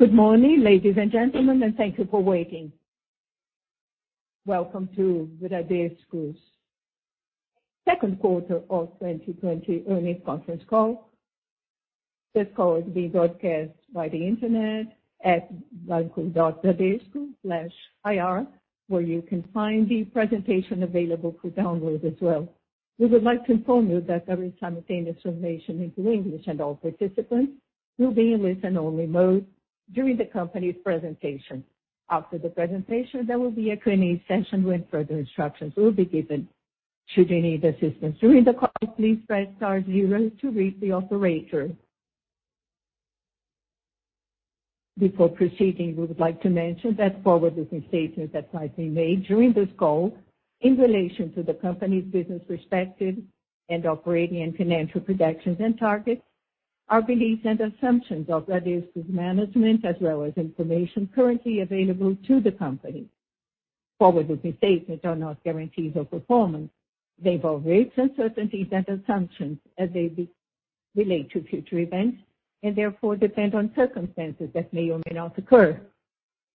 Good morning, ladies and gentlemen, and thank you for waiting. Welcome to Bradesco's second quarter of 2020 earnings conference call. This call is being broadcast via the internet at banco.bradesco/ir, where you can find the presentation available for download as well. We would like to inform you that there is simultaneous translation into English, and all participants will be in listen-only mode during the company's presentation. After the presentation, there will be a Q&A session where further instructions will be given. Should you need assistance during the call, please press star zero to reach the operator. Before proceeding, we would like to mention that forward-looking statements that might be made during this call in relation to the company's business perspective and operating and financial projections and targets are beliefs and assumptions of Bradesco's management, as well as information currently available to the company. Forward-looking statements are not guarantees of performance. They involve risks, uncertainties, and assumptions as they relate to future events, and therefore depend on circumstances that may or may not occur.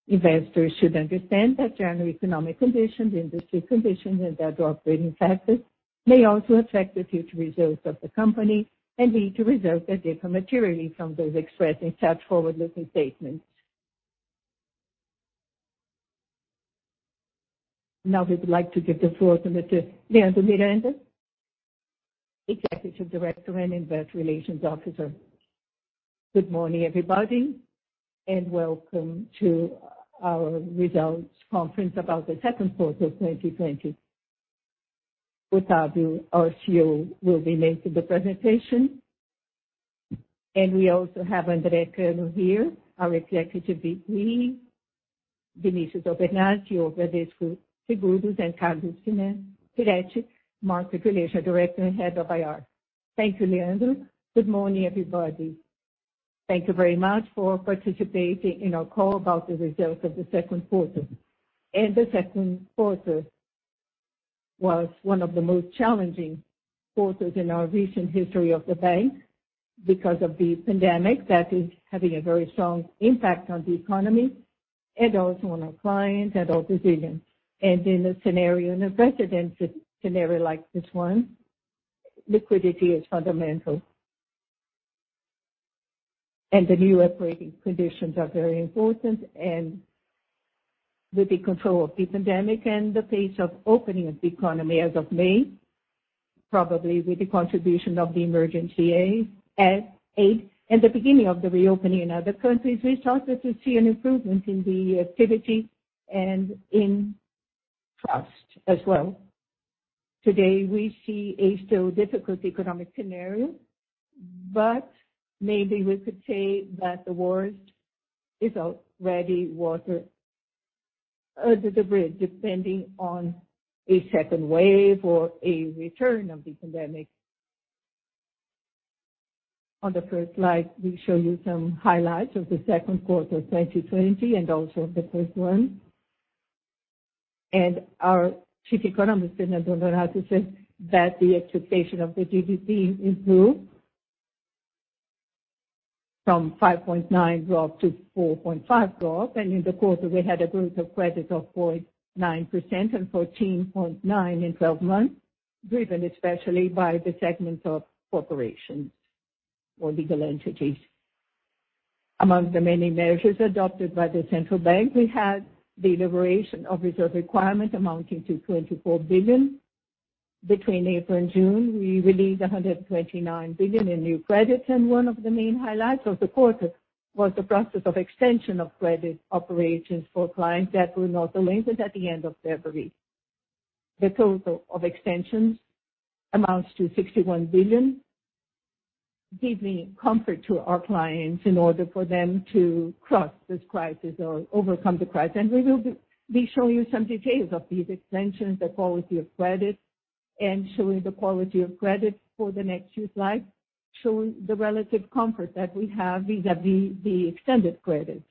Investors should understand that general economic conditions, industry conditions, and other operating factors may also affect the future results of the company and lead to results that differ materially from those expressed in such forward-looking statements. Now we would like to give the floor over to Leandro Miranda, Executive Director and Investor Relations Officer. Good morning, everybody, and welcome to our results conference about the second quarter of 2020. Octavio, our CEO, will be making the presentation. We also have André Cano here, our Executive VP, Vinicius Albernaz, Bradesco Seguros, and Carlos Firetti, Market Relations Director and Head of IR. Thank you, Leandro. Good morning, everybody. Thank you very much for participating in our call about the results of the second quarter. The second quarter was one of the most challenging quarters in our recent history of the bank because of the pandemic that is having a very strong impact on the economy and also on our clients and our divisions. In a scenario, in a precedent scenario like this one, liquidity is fundamental. The new operating conditions are very important. With the control of the pandemic and the pace of opening of the economy as of May, probably with the contribution of the emergency aid and the beginning of the reopening in other countries, we started to see an improvement in the activity and in trust as well. Today, we see a still difficult economic scenario, but maybe we could say that the worst is already under the bridge, depending on a second wave or a return of the pandemic. On the first slide, we show you some highlights of the second quarter 2020 and also the first one. Our Chief Economist, Fernando Honorato, said that the expectation of the GDP improved from 5.9% growth to 4.5% growth. In the quarter, we had a growth of credit of 4.9% and 14.9% in 12 months, driven especially by the segment of corporations or legal entities. Among the many measures adopted by the central bank, we had the liberation of reserve requirement amounting to 24 billion. Between April and June, we released 129 billion in new credits, and one of the main highlights of the quarter was the process of extension of credit operations for clients that were not delinquent at the end of February. The total of extensions amounts to 61 billion, giving comfort to our clients in order for them to cross this crisis or overcome the crisis. We will be showing you some details of these extensions, the quality of credit, and showing the quality of credit for the next few slides, showing the relative comfort that we have vis-a-vis the extended credits.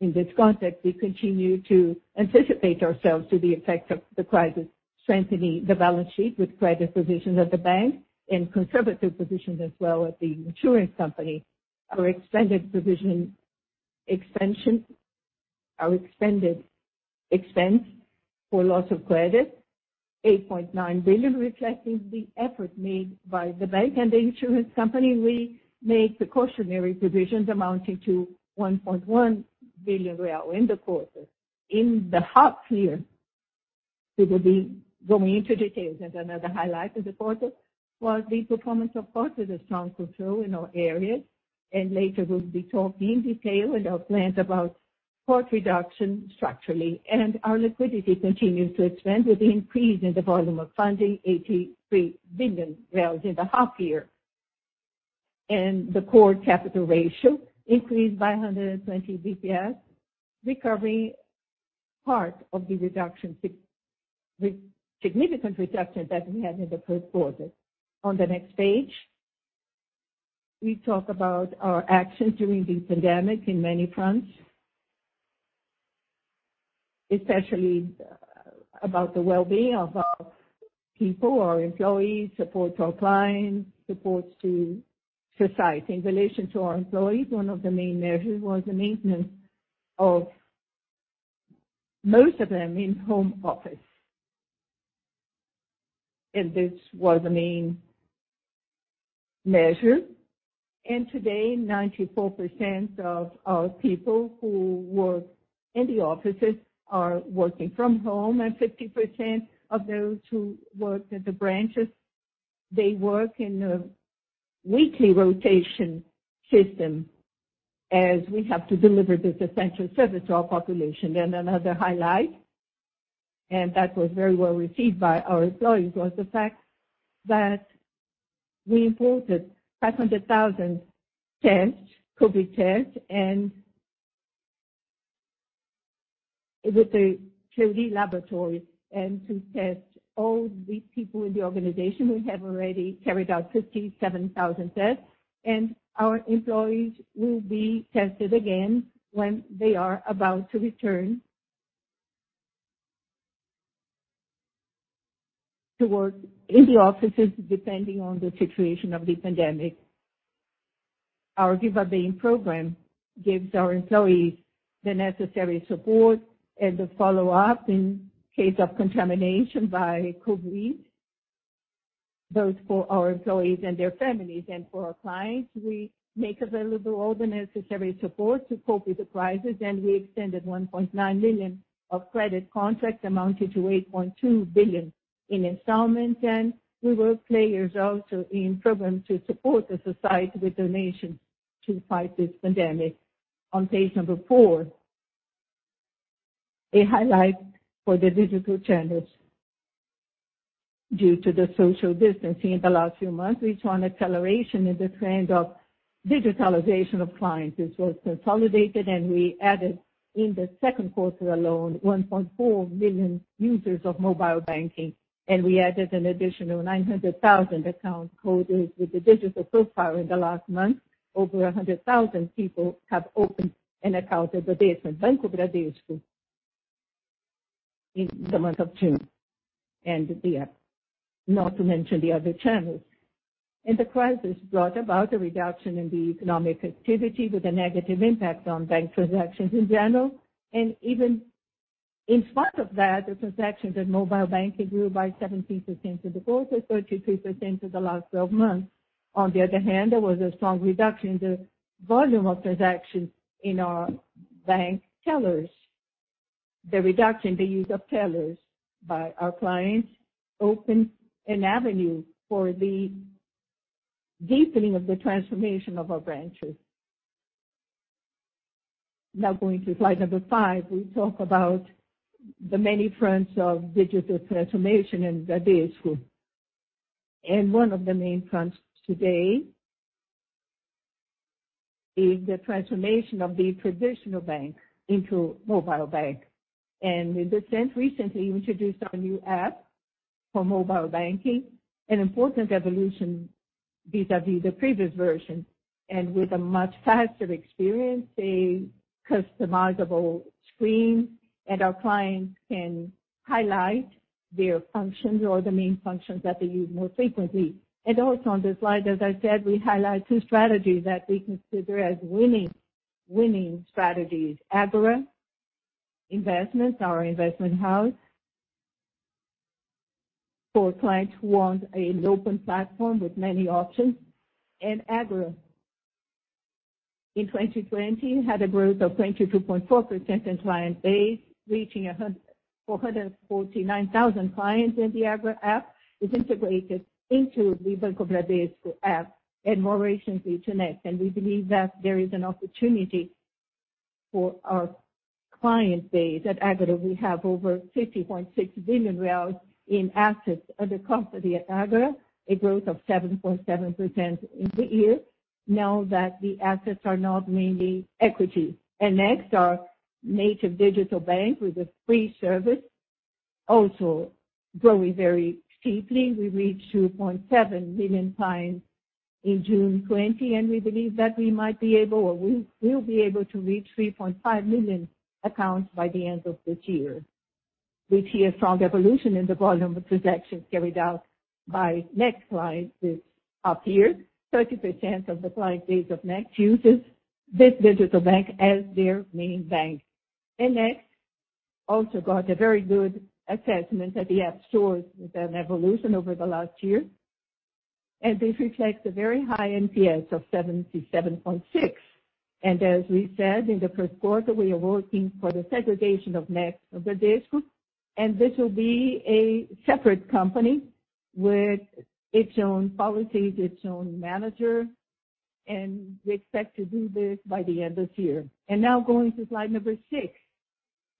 In this context, we continue to anticipate ourselves to the effects of the crisis, strengthening the balance sheet with credit provisions at the bank and conservative provisions as well at the insurance company. Our extended provision extension, our extended expense for loss of credit, 8.9 billion, reflecting the effort made by the bank and the insurance company. We made precautionary provisions amounting to 1.1 billion real in the quarter. In the half year, we will be going into details. Another highlight of the quarter was the performance of costs is strong control in our areas, and later we'll be talking in detail with our plans about cost reduction structurally. Our liquidity continues to expand with the increase in the volume of funding, 83 billion in the half year. The core capital ratio increased by 120 basis points, recovering part of the significant reduction that we had in the first quarter. On the next page, we talk about our actions during the pandemic on many fronts. Especially about the well-being of our people, our employees, support to our clients, support to society. In relation to our employees, one of the main measures was the maintenance of most of them in home office. This was the main measure. Today, 94% of our people who work in the offices are working from home, and 50% of those who work at the branches, they work in a weekly rotation system as we have to deliver this essential service to our population. Another highlight, and that was very well received by our employees, was the fact that we imported 500,000 tests, COVID tests, with a third laboratory to test all these people in the organization. We have already carried out 57,000 tests. Our employees will be tested again when they are about to return to work in the offices, depending on the situation of the pandemic. Our Viva Bem program gives our employees the necessary support and the follow-up in case of contamination by COVID, both for our employees and their families. For our clients, we make available all the necessary support to cope with the crisis, and we extended 1.9 million of credit contracts amounting to 8.2 billion in installments. We were players also in program to support the society with donations to fight this pandemic. On page number four, a highlight for the digital channels due to the social distancing. In the last few months, we saw an acceleration in the trend of digitalization of clients. This was consolidated, we added, in the second quarter alone, 1.4 million users of mobile banking. We added an additional 900,000 account holders with the digital so far in the last month. Over 100,000 people have opened an account at the Banco Bradesco in the month of June. Not to mention the other channels. The crisis brought about a reduction in the economic activity with a negative impact on bank transactions in general. Even in spite of that, the transactions in mobile banking grew by 17% in the quarter, 33% in the last 12 months. On the other hand, there was a strong reduction in the volume of transactions in our bank tellers. The reduction in the use of tellers by our clients opened an avenue for the deepening of the transformation of our branches. Going to slide number five, we talk about the many fronts of digital transformation in Bradesco. One of the main fronts today is the transformation of the traditional bank into mobile bank. With this end, recently, we introduced our new app for mobile banking, an important evolution vis-à-vis the previous version. With a much faster experience, a customizable screen, and our clients can highlight their functions or the main functions that they use more frequently. Also on this slide, as I said, we highlight two strategies that we consider as winning strategies. Ágora Investimentos, our investment house, for clients who want an open platform with many options. Ágora in 2020, had a growth of 22.4% in client base, reaching 449,000 clients in the Ágora app, is integrated into the Banco Bradesco app and more recently to Next. We believe that there is an opportunity for our client base. At Ágora, we have over 50.6 billion in assets under custody at Ágora, a growth of 7.7% in the year, now that the assets are not mainly equity. Next, our native digital bank with a free service, also growing very steeply. We reached 2.7 million clients in June 2020, and we believe that we might be able or we will be able to reach 3.5 million accounts by the end of this year. We see a strong evolution in the volume of transactions carried out by Next clients this half year. 30% of the client base of Next uses this digital bank as their main bank. Next also got a very good assessment at the App Store with an evolution over the last year. This reflects a very high NPS of 77.6. As we said in the first quarter, we are working for the segregation of Next of Bradesco, and this will be a separate company with its own policies, its own manager, and we expect to do this by the end of year. Now going to slide number six.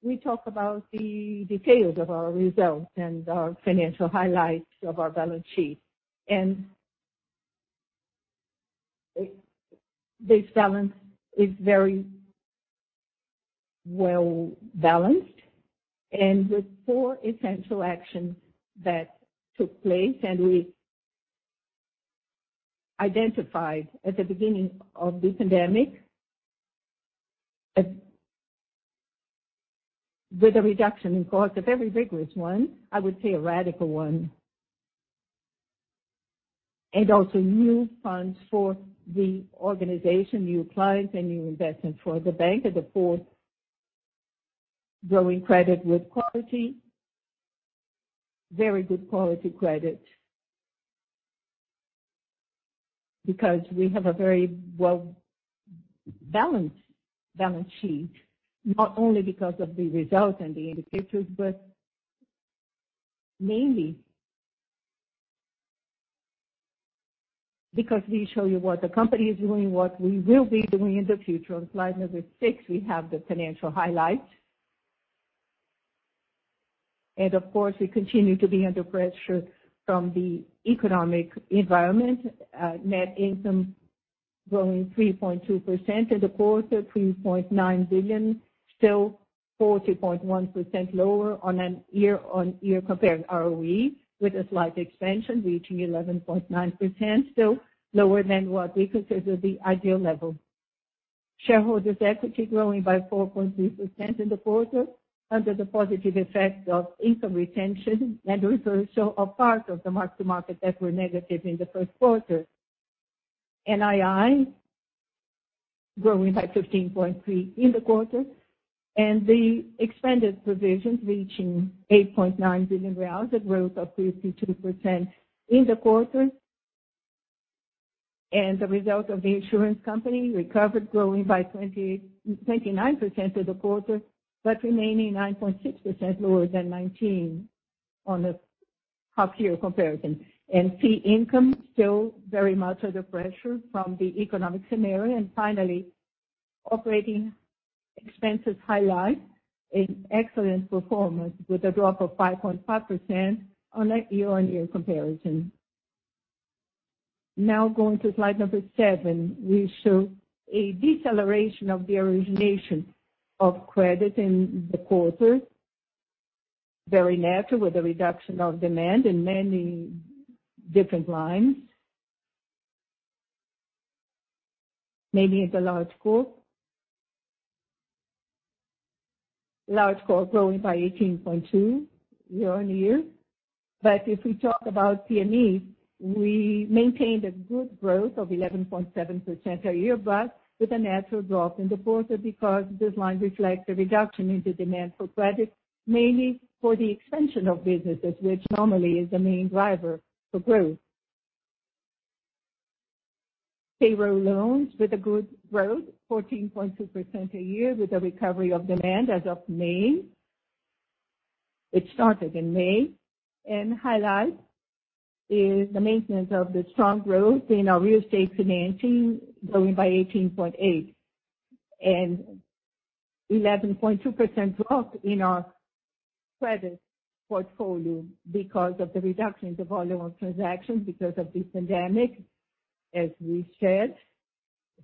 We talk about the details of our results and our financial highlights of our balance sheet. This balance is very well-balanced and with four essential actions that took place, and we identified at the beginning of the pandemic with a reduction in costs, a very rigorous one, I would say a radical one. Also new funds for the organization, new clients, and new investments for the bank and, of course, growing credit with quality. Very good quality credit because we have a very well-balanced balance sheet, not only because of the results and the indicators, but mainly because we show you what the company is doing, what we will be doing in the future. On slide number six, we have the financial highlights. Of course, we continue to be under pressure from the economic environment. Net income growing 3.2% in the quarter, 3.9 billion, still 40.1% lower on a year-on-year compared ROE with a slight expansion reaching 11.9%, still lower than what we consider the ideal level. Shareholders equity growing by 4.3% in the quarter under the positive effect of income retention and reversal of part of the mark-to-market that were negative in the first quarter. NII growing by 15.3% in the quarter, the expanded provisions reaching BRL 8.9 billion, a growth of 52% in the quarter. The result of the insurance company recovered, growing by 29% through the quarter, but remaining 9.6% lower than 2019 on a half-year comparison. Fee income, still very much under pressure from the economic scenario. Finally, operating expenses highlight an excellent performance with a drop of 5.5% on a year-on-year comparison. Now going to slide seven, we show a deceleration of the origination of credit in the quarter. Very natural with a reduction of demand in many different lines. Maybe it's a large corp. Large corp growing by 18.2% year-on-year. If we talk about SMEs, we maintained a good growth of 11.7% per year, with a natural drop in the quarter because this line reflects the reduction in the demand for credit, mainly for the expansion of businesses, which normally is the main driver for growth. Payroll loans with a good growth, 14.2% a year with a recovery of demand as of May. It started in May. Highlight is the maintenance of the strong growth in our real estate financing, growing by 18.8% and 11.2% drop in our credit portfolio because of the reduction in the volume of transactions because of the pandemic, as we said.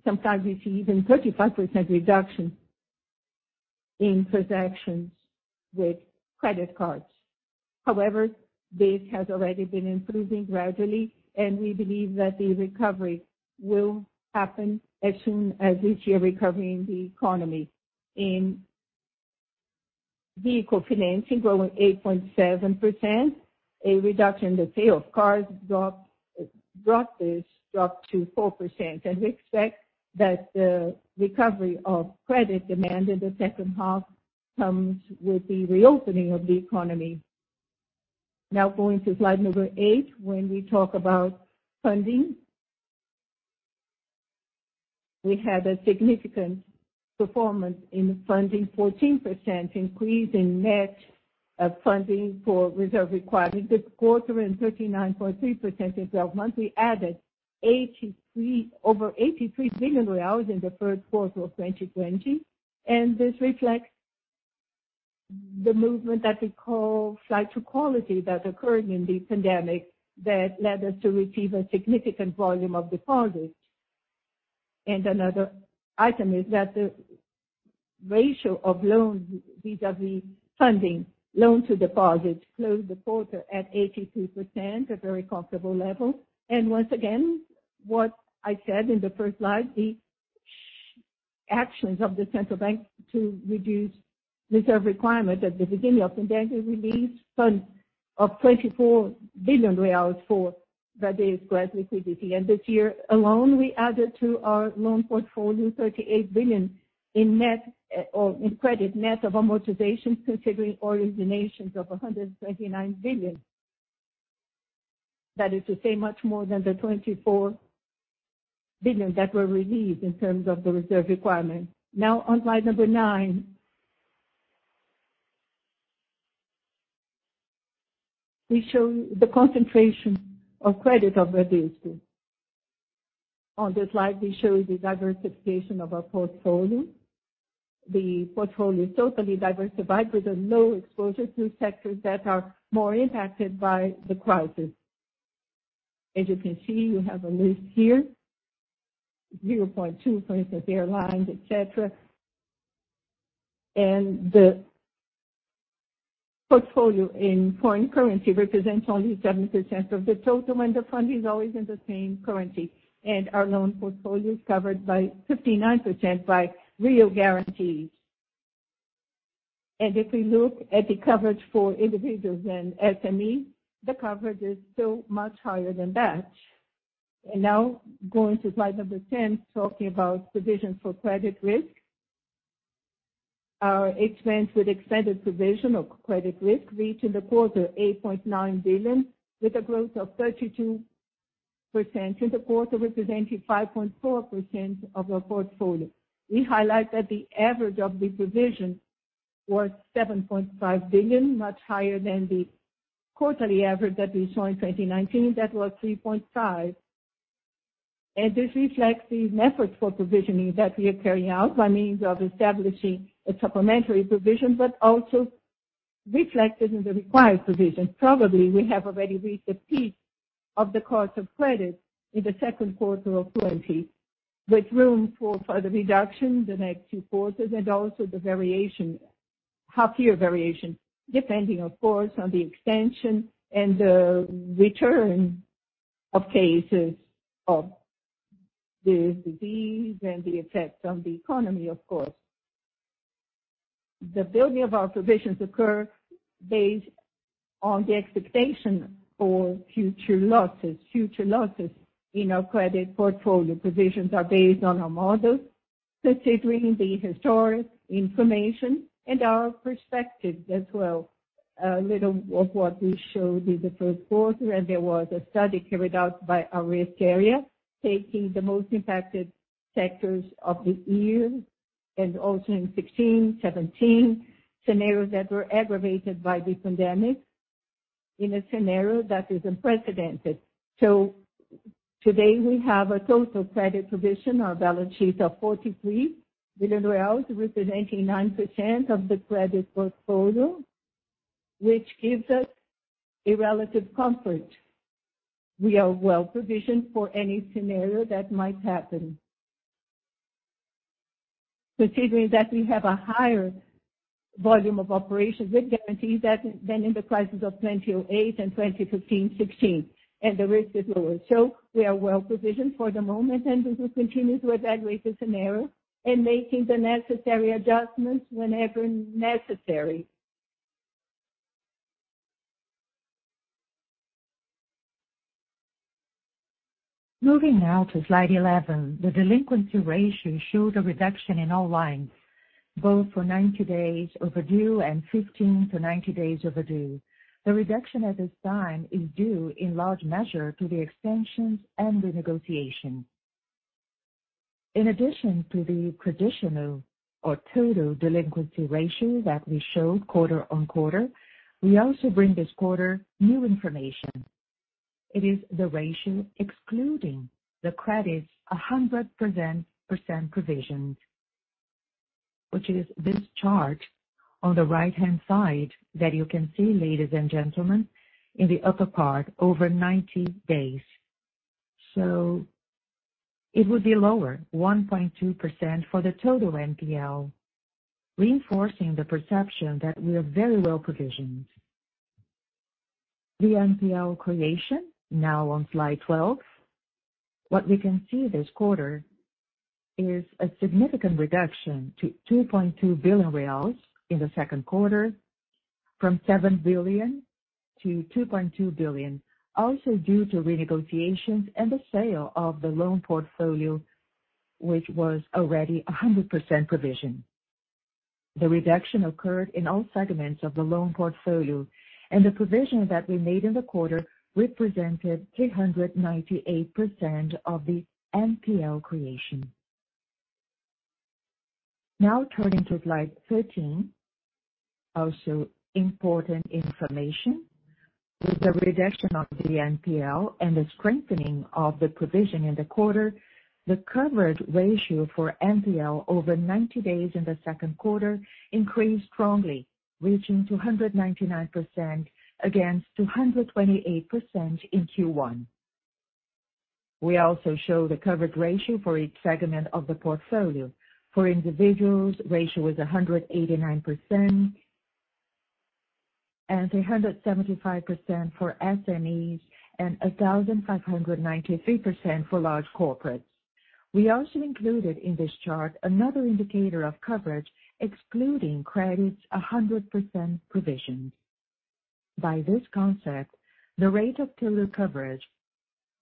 Sometimes we see even 35% reduction in transactions with credit cards. This has already been improving gradually, and we believe that the recovery will happen as soon as we see a recovery in the economy. In vehicle financing, growing 8.7%. A reduction in the sale of cars dropped this drop to 4%. We expect that the recovery of credit demand in the second half comes with the reopening of the economy. Now going to slide number eight, when we talk about funding. We had a significant performance in funding, 14% increase in net of funding for reserve requirements this quarter and 39.3% in 12 months. We added over BRL 83 billion in the first quarter of 2020. This reflects the movement that we call flight to quality that occurred in the pandemic that led us to receive a significant volume of deposits. Another item is that the ratio of loans vis-à-vis funding, loans to deposits, closed the quarter at 82%, a very comfortable level. Once again, what I said in the first slide, the actions of the central bank to reduce reserve requirement at the beginning of the pandemic released funds of BRL 24 billion for Bradesco as liquidity. This year alone, we added to our loan portfolio 38 billion in credit net of amortization, considering originations of 129 billion. That is to say much more than the 24 billion that were released in terms of the reserve requirement. On slide number nine, we show you the concentration of credit of Bradesco. On this slide, we show you the diversification of our portfolio. The portfolio is totally diversified with a low exposure to sectors that are more impacted by the crisis. As you can see, you have a list here, 0.2% for instance, airlines, et cetera. Portfolio in foreign currency represents only 7% of the total, and the funding is always in the same currency, and our loan portfolio is covered by 59% by real guarantees. If we look at the coverage for individuals and SMEs, the coverage is still much higher than that. Now going to slide number 10, talking about provisions for credit risk. Our expense with extended provision of credit risk reached in the quarter 8.9 billion, with a growth of 32% in the quarter, representing 5.4% of our portfolio. We highlight that the average of the provision was 7.5 billion, much higher than the quarterly average that we saw in 2019. That was BRL 3.5 billion. This reflects the efforts for provisioning that we are carrying out by means of establishing a supplementary provision, but also reflected in the required provision. Probably, we have already reached the peak of the cost of credit in the second quarter of 2020, with room for further reduction the next two quarters, and also the variation, half year variation, depending, of course, on the extension and the return of cases of this disease and the effects on the economy, of course. The building of our provisions occur based on the expectation for future losses in our credit portfolio. Provisions are based on our models, considering the historic information and our perspective as well. A little of what we showed in the first quarter, and there was a study carried out by a risk area, taking the most impacted sectors of the year and also in 2016, 2017, scenarios that were aggravated by the pandemic in a scenario that is unprecedented. Today, we have a total credit provision on our balance sheet of BRL 43 billion, representing 9% of the credit portfolio, which gives us a relative comfort. We are well-provisioned for any scenario that might happen. Considering that we have a higher volume of operations with guarantees than in the crisis of 2008 and 2015-2016, and the risk is lower. We are well-provisioned for the moment, and we will continue to evaluate the scenario and making the necessary adjustments whenever necessary. Moving now to slide 11. The delinquency ratio shows a reduction in all lines, both for 90 days overdue and 15-90 days overdue. The reduction at this time is due in large measure to the extensions and the negotiation. In addition to the traditional or total delinquency ratio that we showed quarter-on-quarter, we also bring this quarter new information. It is the ratio excluding the credits 100% provisioned, which is this chart on the right-hand side that you can see, ladies and gentlemen, in the upper part, over 90 days. It would be lower, 1.2% for the total NPL, reinforcing the perception that we are very well-provisioned. The NPL creation, on slide 12. What we can see this quarter is a significant reduction to 2.2 billion in the second quarter, from 7 billion to 2.2 billion, also due to renegotiations and the sale of the loan portfolio, which was already 100% provisioned. The reduction occurred in all segments of the loan portfolio, the provision that we made in the quarter represented 398% of the NPL creation. Turning to slide 13, also important information. With the reduction of the NPL and the strengthening of the provision in the quarter, the coverage ratio for NPL over 90 days in the second quarter increased strongly, reaching 299% against 228% in Q1. We also show the coverage ratio for each segment of the portfolio. For individuals, ratio is 189% and 375% for SMEs and 1,593% for large corporates. We also included in this chart another indicator of coverage excluding credits 100% provisioned. By this concept, the rate of total coverage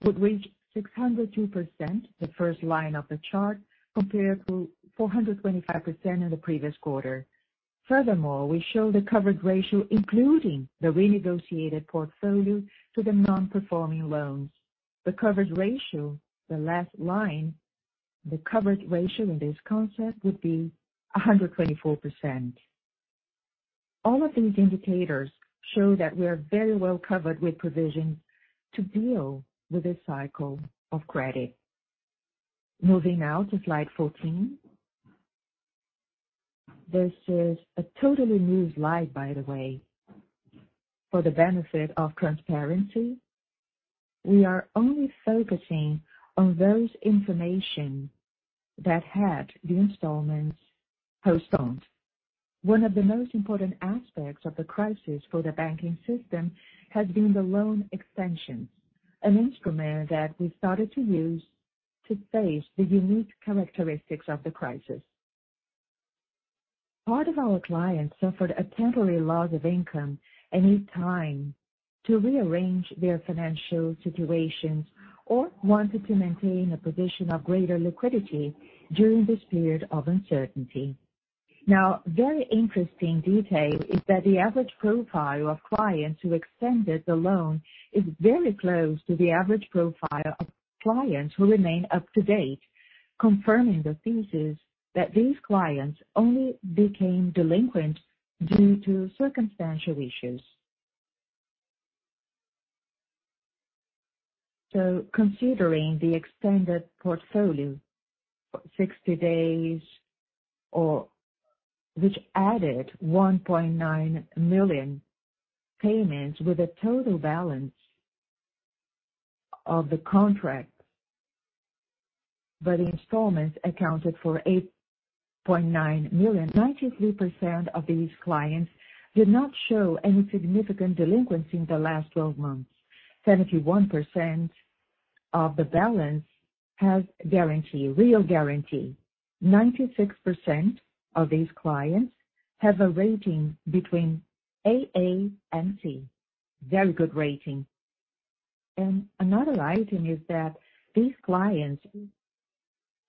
would reach 602%, the first line of the chart, compared to 425% in the previous quarter. We show the coverage ratio including the renegotiated portfolio to the non-performing loans. The coverage ratio, the last line, in this concept would be 124%. All of these indicators show that we are very well covered with provisions to deal with this cycle of credit. Moving now to slide 14. This is a totally new slide, by the way, for the benefit of transparency. We are only focusing on those information that had the installments postponed. One of the most important aspects of the crisis for the banking system has been the loan extension, an instrument that we started to use to face the unique characteristics of the crisis. Part of our clients suffered a temporary loss of income and need time to rearrange their financial situations or wanted to maintain a position of greater liquidity during this period of uncertainty. Very interesting detail is that the average profile of clients who extended the loan is very close to the average profile of clients who remain up to date, confirming the thesis that these clients only became delinquent due to circumstantial issues. Considering the extended portfolio, 60 days or which added 1.9 million payments with a total balance of the contract but installments accounted for 8.9 million. 93% of these clients did not show any significant delinquency in the last 12 months. 71% of the balance has guarantee, real guarantee. 96% of these clients have a rating between AA and C. Very good rating. Another item is that these clients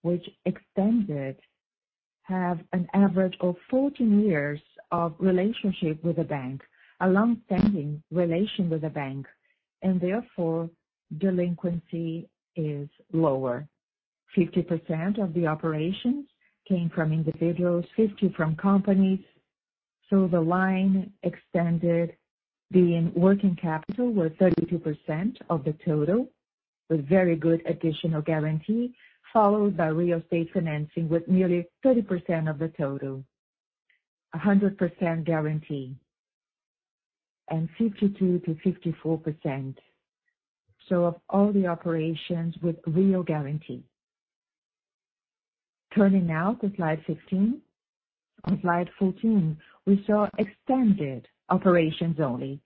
which extended have an average of 14 years of relationship with the bank, a long-standing relation with the bank, and therefore delinquency is lower. 50% of the operations came from individuals, 50 from companies. The line extended being working capital was 32% of the total, with very good additional guarantee, followed by real estate financing with nearly 30% of the total, a 100% guarantee, and 52%-54% of all the operations with real guarantee. Turning now to slide 15. On slide 14, we saw extended operations only.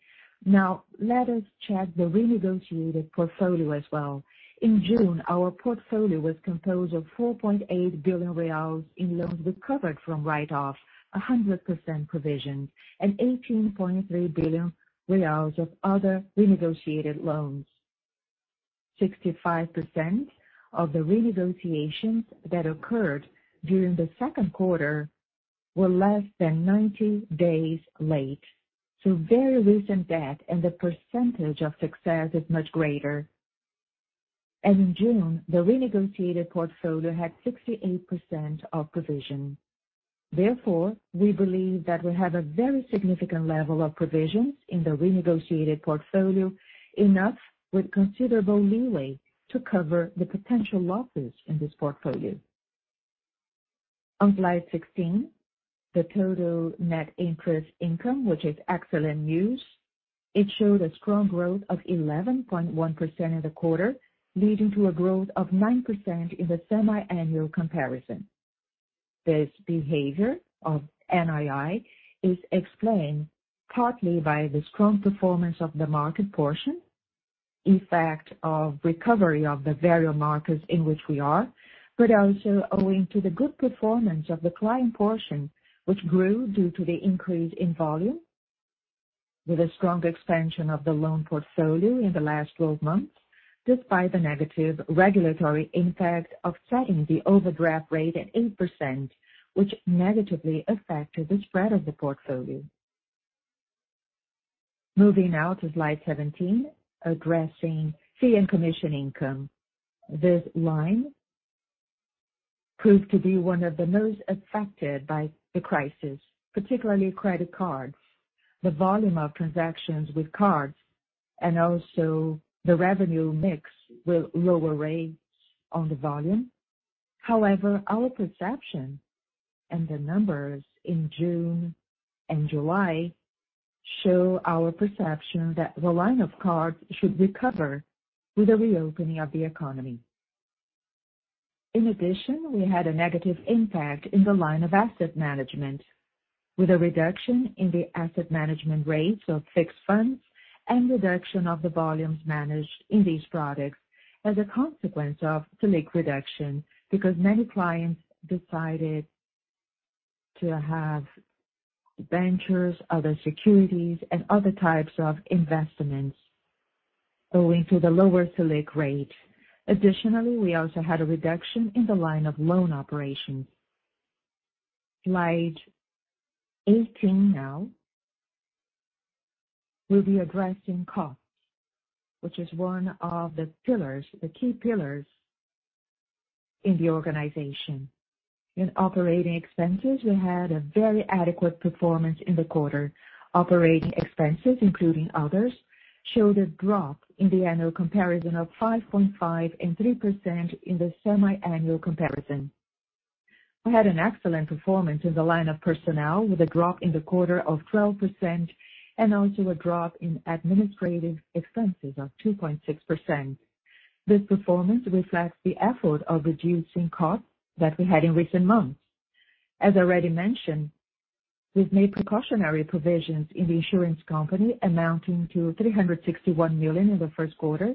Let us check the renegotiated portfolio as well. In June, our portfolio was composed of 4.8 billion reais in loans recovered from write-offs, 100% provision and 18.3 billion reais of other renegotiated loans. 65% of the renegotiations that occurred during the second quarter were less than 90 days late. Very recent debt and the percentage of success is much greater. In June, the renegotiated portfolio had 68% of provision. We believe that we have a very significant level of provisions in the renegotiated portfolio, enough with considerable leeway to cover the potential losses in this portfolio. On slide 16, the total net interest income, which is excellent news. It showed a strong growth of 11.1% in the quarter, leading to a growth of 9% in the semi-annual comparison. This behavior of NII is explained partly by the strong performance of the market portion, effect of recovery of the various markets in which we are, but also owing to the good performance of the client portion, which grew due to the increase in volume with a strong expansion of the loan portfolio in the last 12 months, despite the negative regulatory impact of setting the overdraft rate at 8%, which negatively affected the spread of the portfolio. Moving now to slide 17, addressing fee and commission income. This line proved to be one of the most affected by the crisis, particularly credit cards, the volume of transactions with cards, and also the revenue mix with lower rates on the volume. Our perception and the numbers in June and July show our perception that the line of cards should recover with the reopening of the economy. In addition, we had a negative impact in the line of asset management with a reduction in the asset management rates of fixed funds and reduction of the volumes managed in these products as a consequence of Selic reduction, because many clients decided to have ventures, other securities, and other types of investments owing to the lower Selic rate. Additionally, we also had a reduction in the line of loan operations. Slide 18 now will be addressing costs, which is one of the pillars, the key pillars in the organization. In operating expenses, we had a very adequate performance in the quarter. Operating expenses, including others, showed a drop in the annual comparison of 5.5% and 3% in the semi-annual comparison. We had an excellent performance in the line of personnel with a drop in the quarter of 12% and also a drop in administrative expenses of 2.6%. This performance reflects the effort of reducing costs that we had in recent months. As I already mentioned, we've made precautionary provisions in the insurance company amounting to 361 million in the first quarter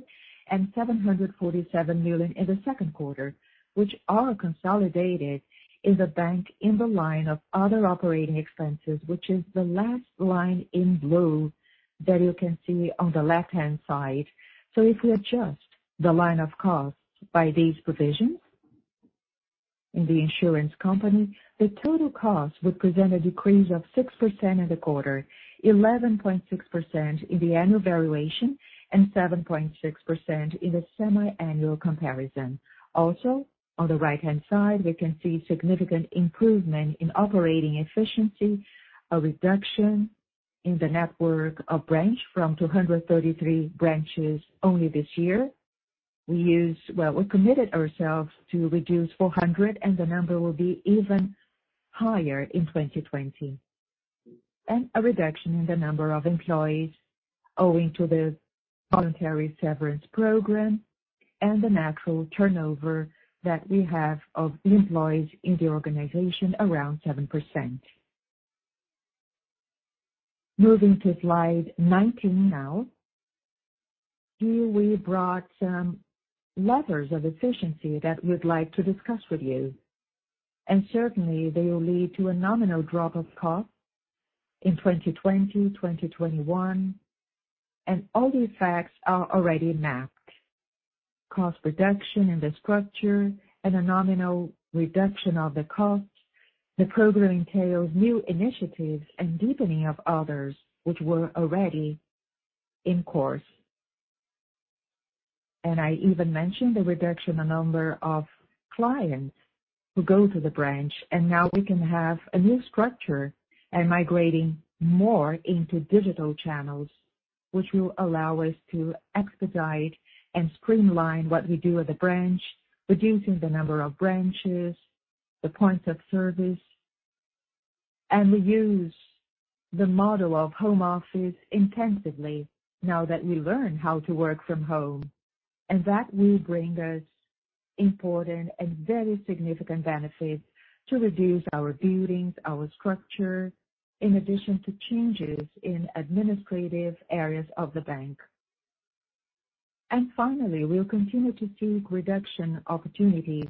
and 747 million in the second quarter, which are consolidated in the bank in the line of other operating expenses, which is the last line in blue that you can see on the left-hand side. If we adjust the line of costs by these provisions in the insurance company, the total cost would present a decrease of 6% in the quarter, 11.6% in the annual valuation, and 7.6% in the semi-annual comparison. On the right-hand side, we can see significant improvement in operating efficiency, a reduction in the network of branches from 233 branches only this year. We committed ourselves to reduce 400 and the number will be even higher in 2020. A reduction in the number of employees owing to the voluntary severance program and the natural turnover that we have of the employees in the organization around 7%. Moving to slide 19 now. Here we brought some levers of efficiency that we'd like to discuss with you. Certainly, they will lead to a nominal drop of cost in 2020, 2021. All these facts are already mapped. Cost reduction in the structure and a nominal reduction of the cost. The program entails new initiatives and deepening of others which were already in course. I even mentioned the reduction in number of clients who go to the branch, and now we can have a new structure and migrating more into digital channels, which will allow us to expedite and streamline what we do at the branch, reducing the number of branches, the points of service. We use the model of home office intensively now that we learn how to work from home, and that will bring us important and very significant benefits to reduce our buildings, our structure, in addition to changes in administrative areas of the bank. Finally, we'll continue to seek reduction opportunities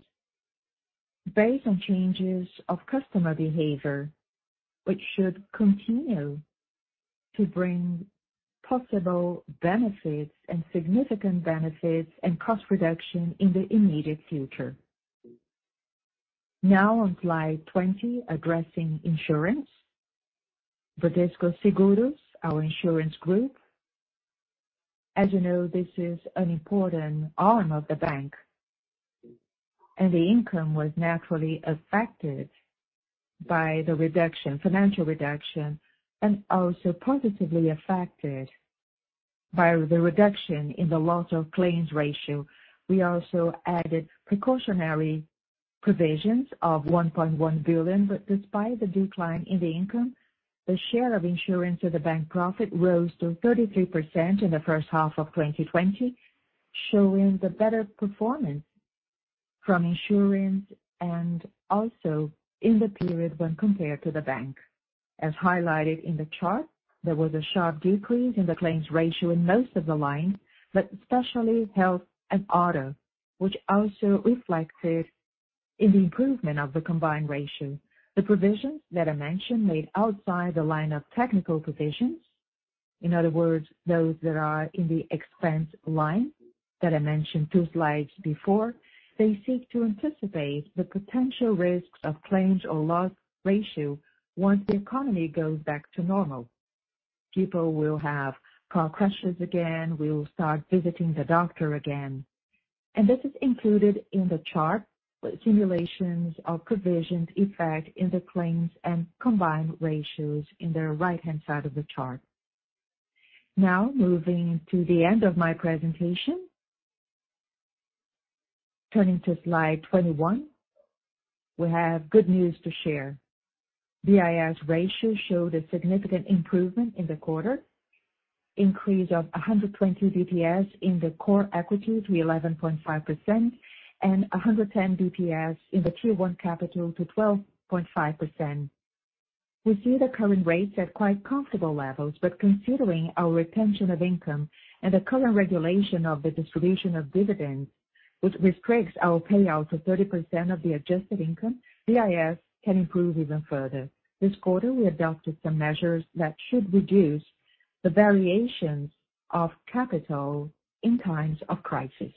based on changes of customer behavior, which should continue to bring possible benefits and significant benefits and cost reduction in the immediate future. On slide 20, addressing insurance. Bradesco Seguros, our insurance group. As you know, this is an important arm of the bank, and the income was naturally affected by the financial reduction and also positively affected by the reduction in the loss of claims ratio. We also added precautionary provisions of 1.1 billion. Despite the decline in the income, the share of insurance as a bank profit rose to 33% in the first half of 2020, showing the better performance from insurance and also in the period when compared to the bank. As highlighted in the chart, there was a sharp decrease in the claims ratio in most of the lines, but especially health and auto, which also reflected in the improvement of the combined ratio. The provisions that I mentioned made outside the line of technical provisions, in other words, those that are in the expense line that I mentioned two slides before. They seek to anticipate the potential risks of claims or loss ratio once the economy goes back to normal. People will have car crashes again, we will start visiting the doctor again. This is included in the chart, simulations of provisions effect in the claims and combined ratios in the right-hand side of the chart. Moving to the end of my presentation. Turning to slide 21, we have good news to share. BIS ratio showed a significant improvement in the quarter. Increase of 120 basis points in the core equity to 11.5% and 110 basis points in the Tier 1 capital to 12.5%. We see the current rates at quite comfortable levels, but considering our retention of income and the current regulation of the distribution of dividends, which restricts our payout to 30% of the adjusted income, BIS can improve even further. This quarter, we adopted some measures that should reduce the variations of capital in times of crisis.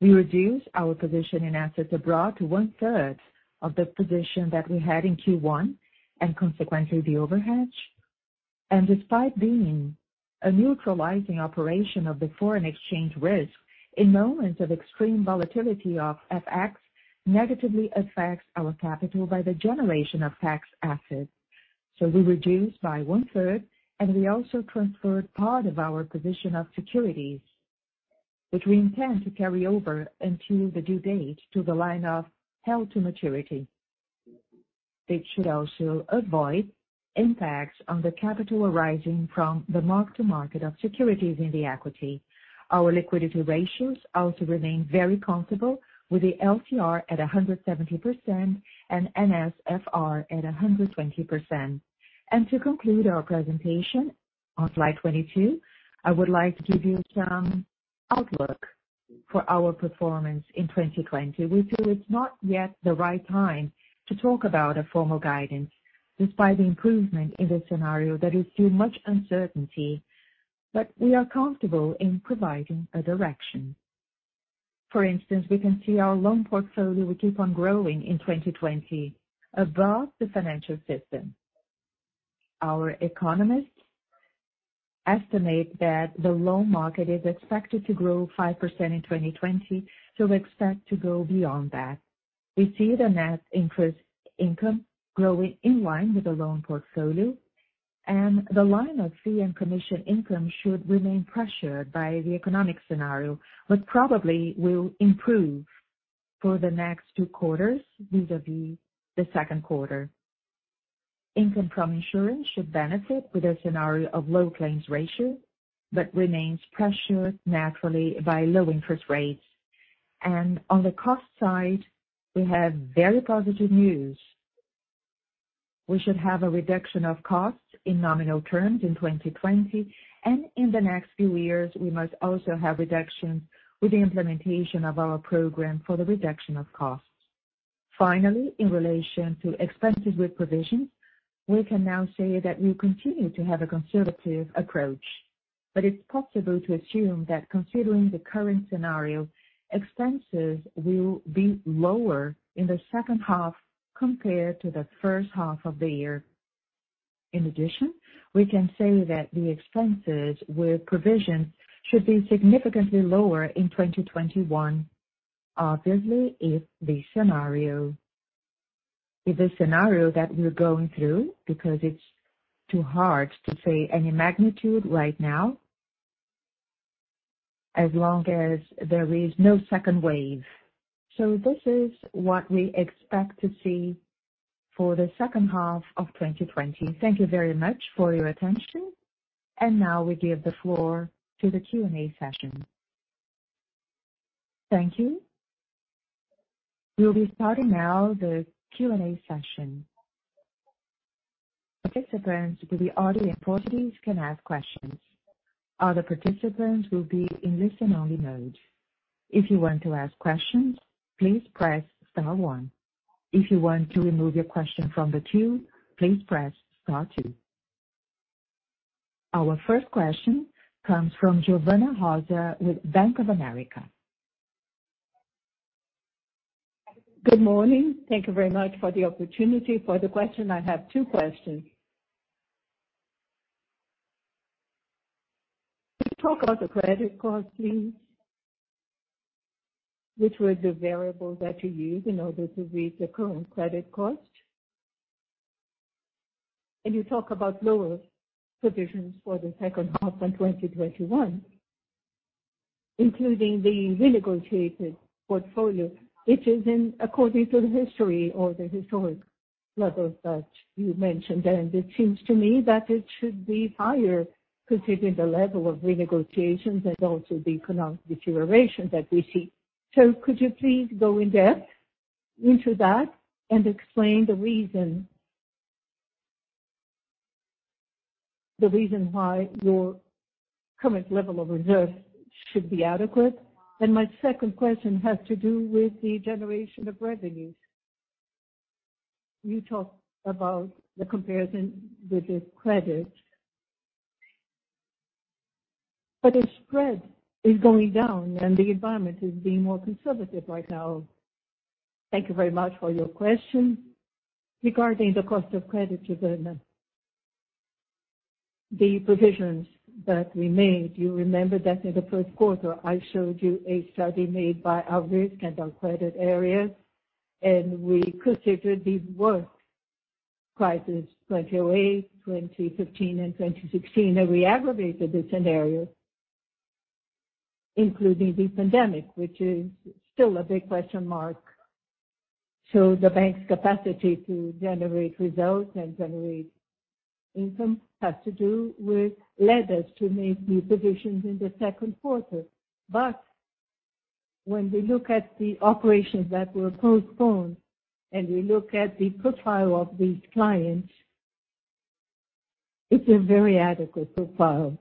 We reduced our position in assets abroad to one-third of the position that we had in Q1, and consequently, the overhead. Despite being a neutralizing operation of the foreign exchange risk, in moments of extreme volatility of FX, negatively affects our capital by the generation of tax assets. We reduced by one-third and we also transferred part of our position of securities that we intend to carry over until the due date to the line of held-to-maturity. It should also avoid impacts on the capital arising from the mark-to-market of securities in the equity. Our liquidity ratios also remain very comfortable, with the LCR at 170% and NSFR at 120%. To conclude our presentation on slide 22, I would like to give you some outlook for our performance in 2020. We feel it's not yet the right time to talk about a formal guidance. Despite the improvement in the scenario, there is still much uncertainty, but we are comfortable in providing a direction. For instance, we can see our loan portfolio will keep on growing in 2020 above the financial system. Our economists estimate that the loan market is expected to grow 5% in 2020, so we expect to go beyond that. The line of fee and commission income should remain pressured by the economic scenario, but probably will improve for the next two quarters vis-à-vis the second quarter. Income from insurance should benefit with a scenario of low claims ratio, but remains pressured naturally by low interest rates. On the cost side, we have very positive news. We should have a reduction of costs in nominal terms in 2020. In the next few years, we must also have reductions with the implementation of our program for the reduction of costs. Finally, in relation to expenses with provisions, we can now say that we'll continue to have a conservative approach. It's possible to assume that considering the current scenario, expenses will be lower in the second half compared to the first half of the year. In addition, we can say that the expenses with provisions should be significantly lower in 2021. Obviously, if the scenario that we're going through, because it's too hard to say any magnitude right now, as long as there is no second wave. This is what we expect to see for the second half of 2020. Thank you very much for your attention. Now we give the floor to the Q&A session. Thank you. We will be starting now the Q&A session. Participants with the audio in Portuguese can ask questions. Other participants will be in listen only mode. If you want to ask questions, please press star one. If you want to remove your question from the queue, please press star two. Our first question comes from Giovanna Rosa with Bank of America. Good morning. Thank you very much for the opportunity. For the question, I have two questions. Can you talk about the credit cost, please? Which were the variables that you used in order to read the current credit cost? You talk about lower provisions for the second half and 2021, including the renegotiated portfolio, which is in according to the history or the historic levels that you mentioned. It seems to me that it should be higher considering the level of renegotiations and also the economic deterioration that we see. Could you please go in depth into that and explain the reason why your current level of reserves should be adequate? My second question has to do with the generation of revenues. You talked about the comparison with the credit. The spread is going down and the environment is being more conservative right now. Thank you very much for your question. Regarding the cost of credit, Giovanna. The provisions that we made, you remember that in the first quarter, I showed you a study made by our risk and our credit areas, we considered the worst crisis, 2008, 2015, and 2016. We aggravated the scenario, including the pandemic, which is still a big question mark. The bank's capacity to generate results and generate income led us to make these provisions in the second quarter. When we look at the operations that were postponed, and we look at the profile of these clients, it's a very adequate profile.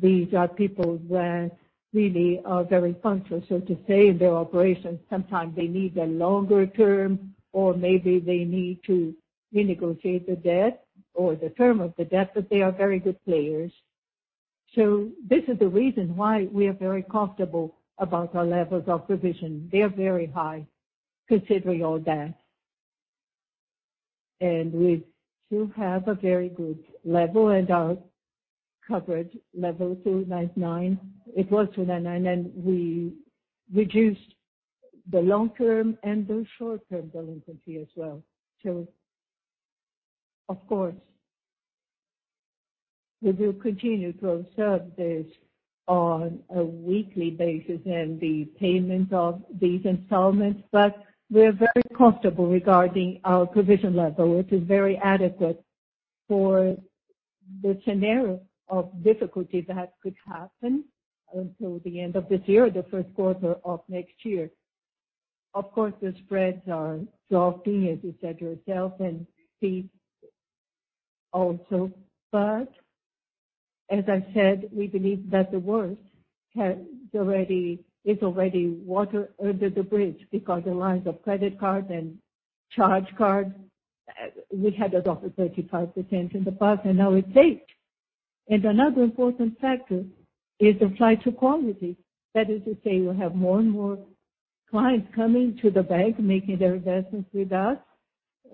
These are people that really are very punctual, so to say, in their operations. Sometimes they need a longer term or maybe they need to renegotiate the debt or the term of the debt, but they are very good players. This is the reason why we are very comfortable about our levels of provision. They are very high considering all that. We still have a very good level and our coverage level 299%. It was 299%, and we reduced the long-term and the short-term delinquency as well. Of course, we will continue to observe this on a weekly basis and the payment of these installments. We are very comfortable regarding our provision level, which is very adequate for the scenario of difficulty that could happen until the end of this year or the first quarter of next year. Of course, the spreads are dropping, as you said yourself, and fees also. As I said, we believe that the worst is already water under the bridge because the lines of credit cards and charge cards, we had a drop of 35% in the past, and now it's 8%. Another important factor is the flight to quality. That is to say, we have more and more clients coming to the bank, making their investments with us,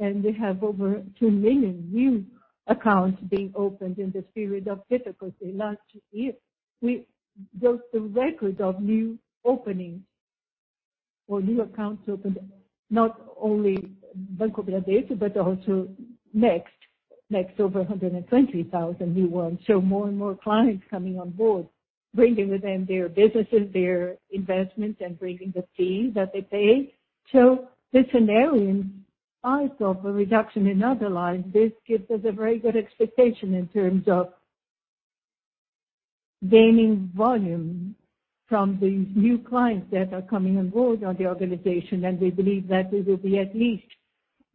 and we have over 2 million new accounts being opened in this period of difficulty last year. We built the record of new openings or new accounts opened, not only Banco Bradesco, but also next, over 120,000 new ones. More and more clients coming on board, bringing with them their businesses, their investments, and bringing the fees that they pay. The scenario in spite of a reduction in other lines, this gives us a very good expectation in terms of gaining volume from the new clients that are coming on board on the organization, and we believe that we will be at least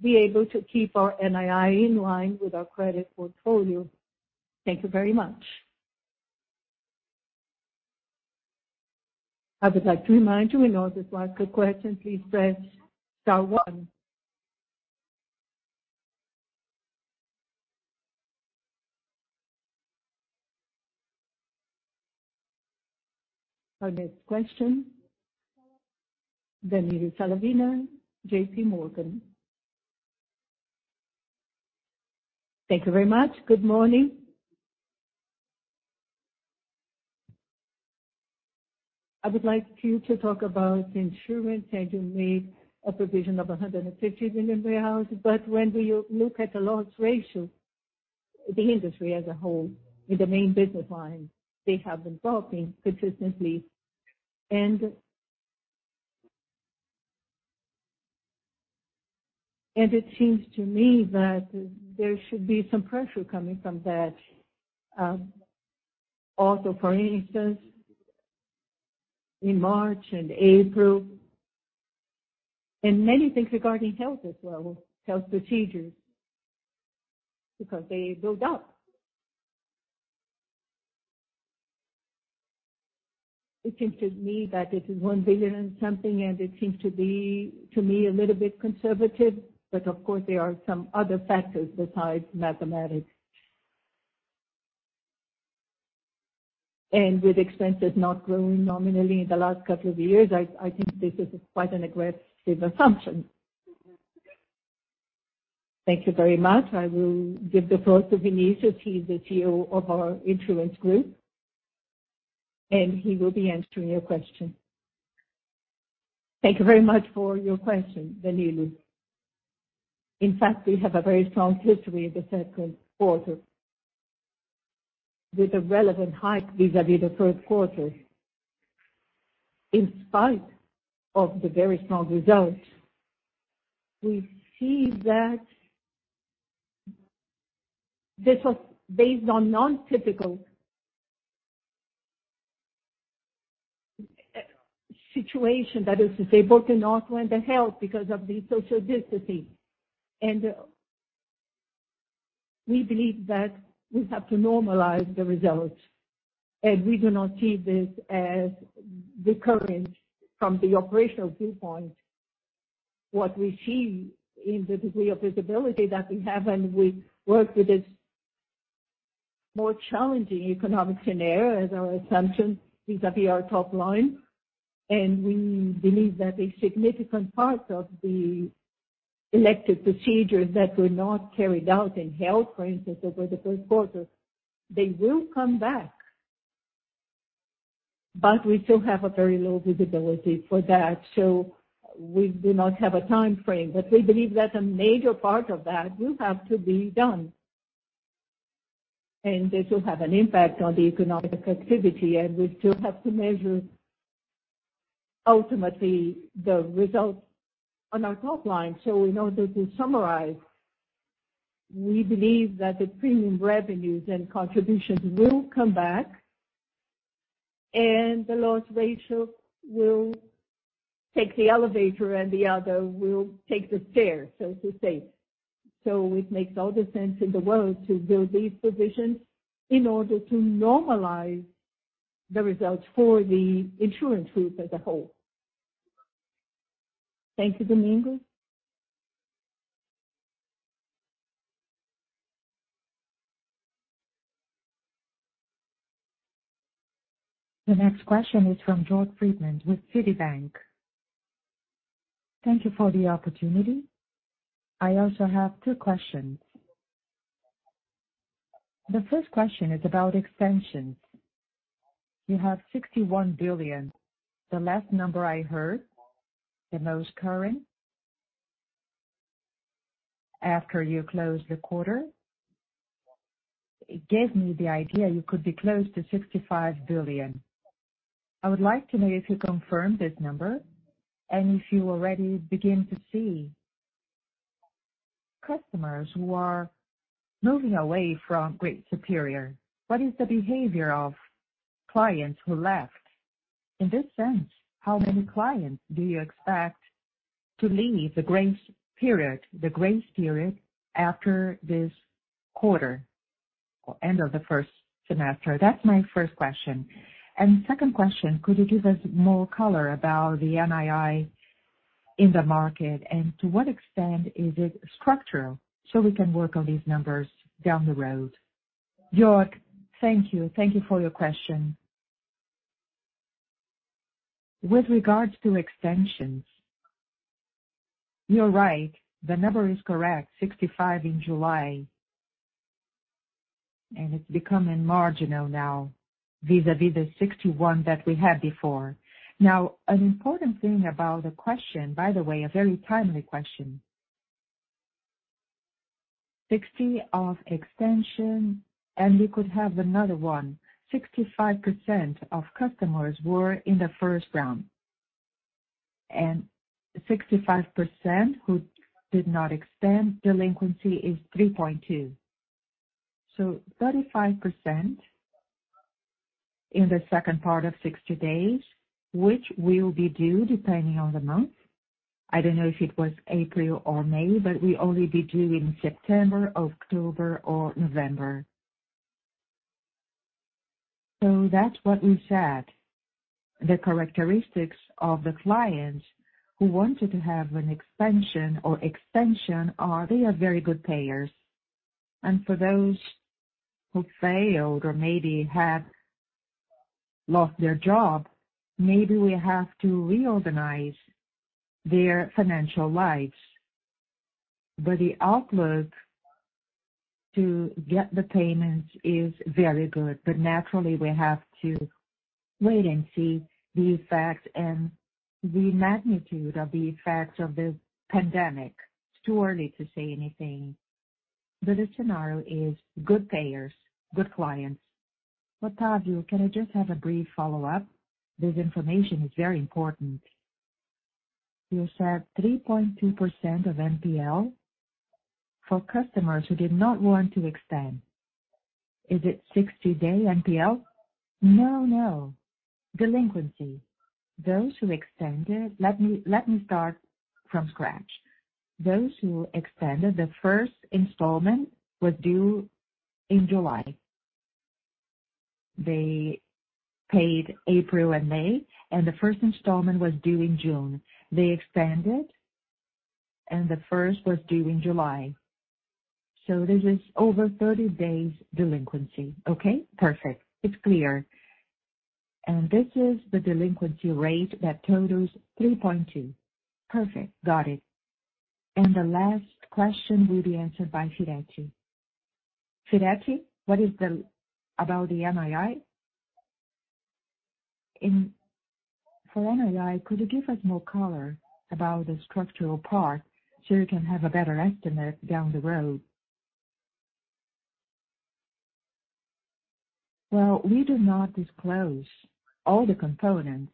be able to keep our NII in line with our credit portfolio. Thank you very much. I would like to remind you, in order to ask a question, please press star one. Our next question, Domingos Falavina, JPMorgan. Thank you very much. Good morning. I would like you to talk about insurance, you made a provision of 150 million. When we look at the loss ratio, the industry as a whole in the main business line, they have been dropping consistently. It seems to me that there should be some pressure coming from that. Also, for instance, in March and April, and many things regarding health as well, health procedures, because they build up. It seems to me that it is 1 billion and something, and it seems to be, to me, a little bit conservative, but of course, there are some other factors besides mathematics. With expenses not growing nominally in the last couple of years, I think this is quite an aggressive assumption. Thank you very much. I will give the floor to Vinicius. He's the CEO of our insurance group, and he will be answering your question. Thank you very much for your question, Domingos. In fact, we have a very strong history in the second quarter with a relevant hike vis-à-vis the first quarter. In spite of the very strong results, we see that this was based on non-typical situation, that is to say, both in auto and health because of the social distancing. We believe that we have to normalize the results, and we do not see this as recurring from the operational viewpoint. What we see in the degree of visibility that we have, and we work with this more challenging economic scenario as our assumption vis-à-vis our top line. We believe that a significant part of the elective procedures that were not carried out in health, for instance, over the first quarter, they will come back. We still have a very low visibility for that, so we do not have a time frame, but we believe that a major part of that will have to be done. This will have an impact on the economic activity, and we still have to measure, ultimately, the results on our top line. In order to summarize, we believe that the premium revenues and contributions will come back, and the loss ratio will take the elevator and the other will take the stairs, so to say. It makes all the sense in the world to build these provisions in order to normalize the results for the insurance group as a whole. Thank you, Domingos. The next question is from Jörg Friedemann with Citibank. Thank you for the opportunity. I also have two questions. The first question is about extensions. You have 61 billion. The last number I heard, the most current, after you close the quarter, it gave me the idea you could be close to 65 billion. I would like to know if you confirm this number and if you already begin to see customers who are moving away from grace period. What is the behavior of clients who left? How many clients do you expect to leave the grace period after this quarter or end of the first semester? That's my first question. Second question, could you give us more color about the NII in the market, and to what extent is it structural so we can work on these numbers down the road? Jörg, thank you. Thank you for your question. With regards to extensions, you're right, the number is correct, 65 in July. It's becoming marginal now vis-à-vis the 61 that we had before. An important thing about the question, by the way, a very timely question. 60 of extension, we could have another one. 65% of customers were in the first round, 65% who did not extend delinquency is 3.2%. 35% in the second part of 60 days, which will be due depending on the month. I don't know if it was April or May, will only be due in September, October or November. That's what we said. The characteristics of the clients who wanted to have an extension or extension are they are very good payers. For those who failed or maybe have lost their job, maybe we have to reorganize their financial lives. The outlook to get the payments is very good. Naturally, we have to wait and see the effects and the magnitude of the effects of the pandemic. It's too early to say anything, but the scenario is good payers, good clients. Octavio, can I just have a brief follow-up? This information is very important. You said 3.2% of NPL for customers who did not want to extend. Is it 60-day NPL? No. Delinquency. Let me start from scratch. Those who extended the first installment was due in July. They paid April and May, and the first installment was due in June. They extended, and the first was due in July. This is over 30 days delinquency. Okay, perfect. It's clear. This is the delinquency rate that totals 3.2%. Perfect. Got it. The last question will be answered by Firetti. Firetti, what is the, about the NII? For NII, could you give us more color about the structural part so we can have a better estimate down the road? Well, we do not disclose all the components,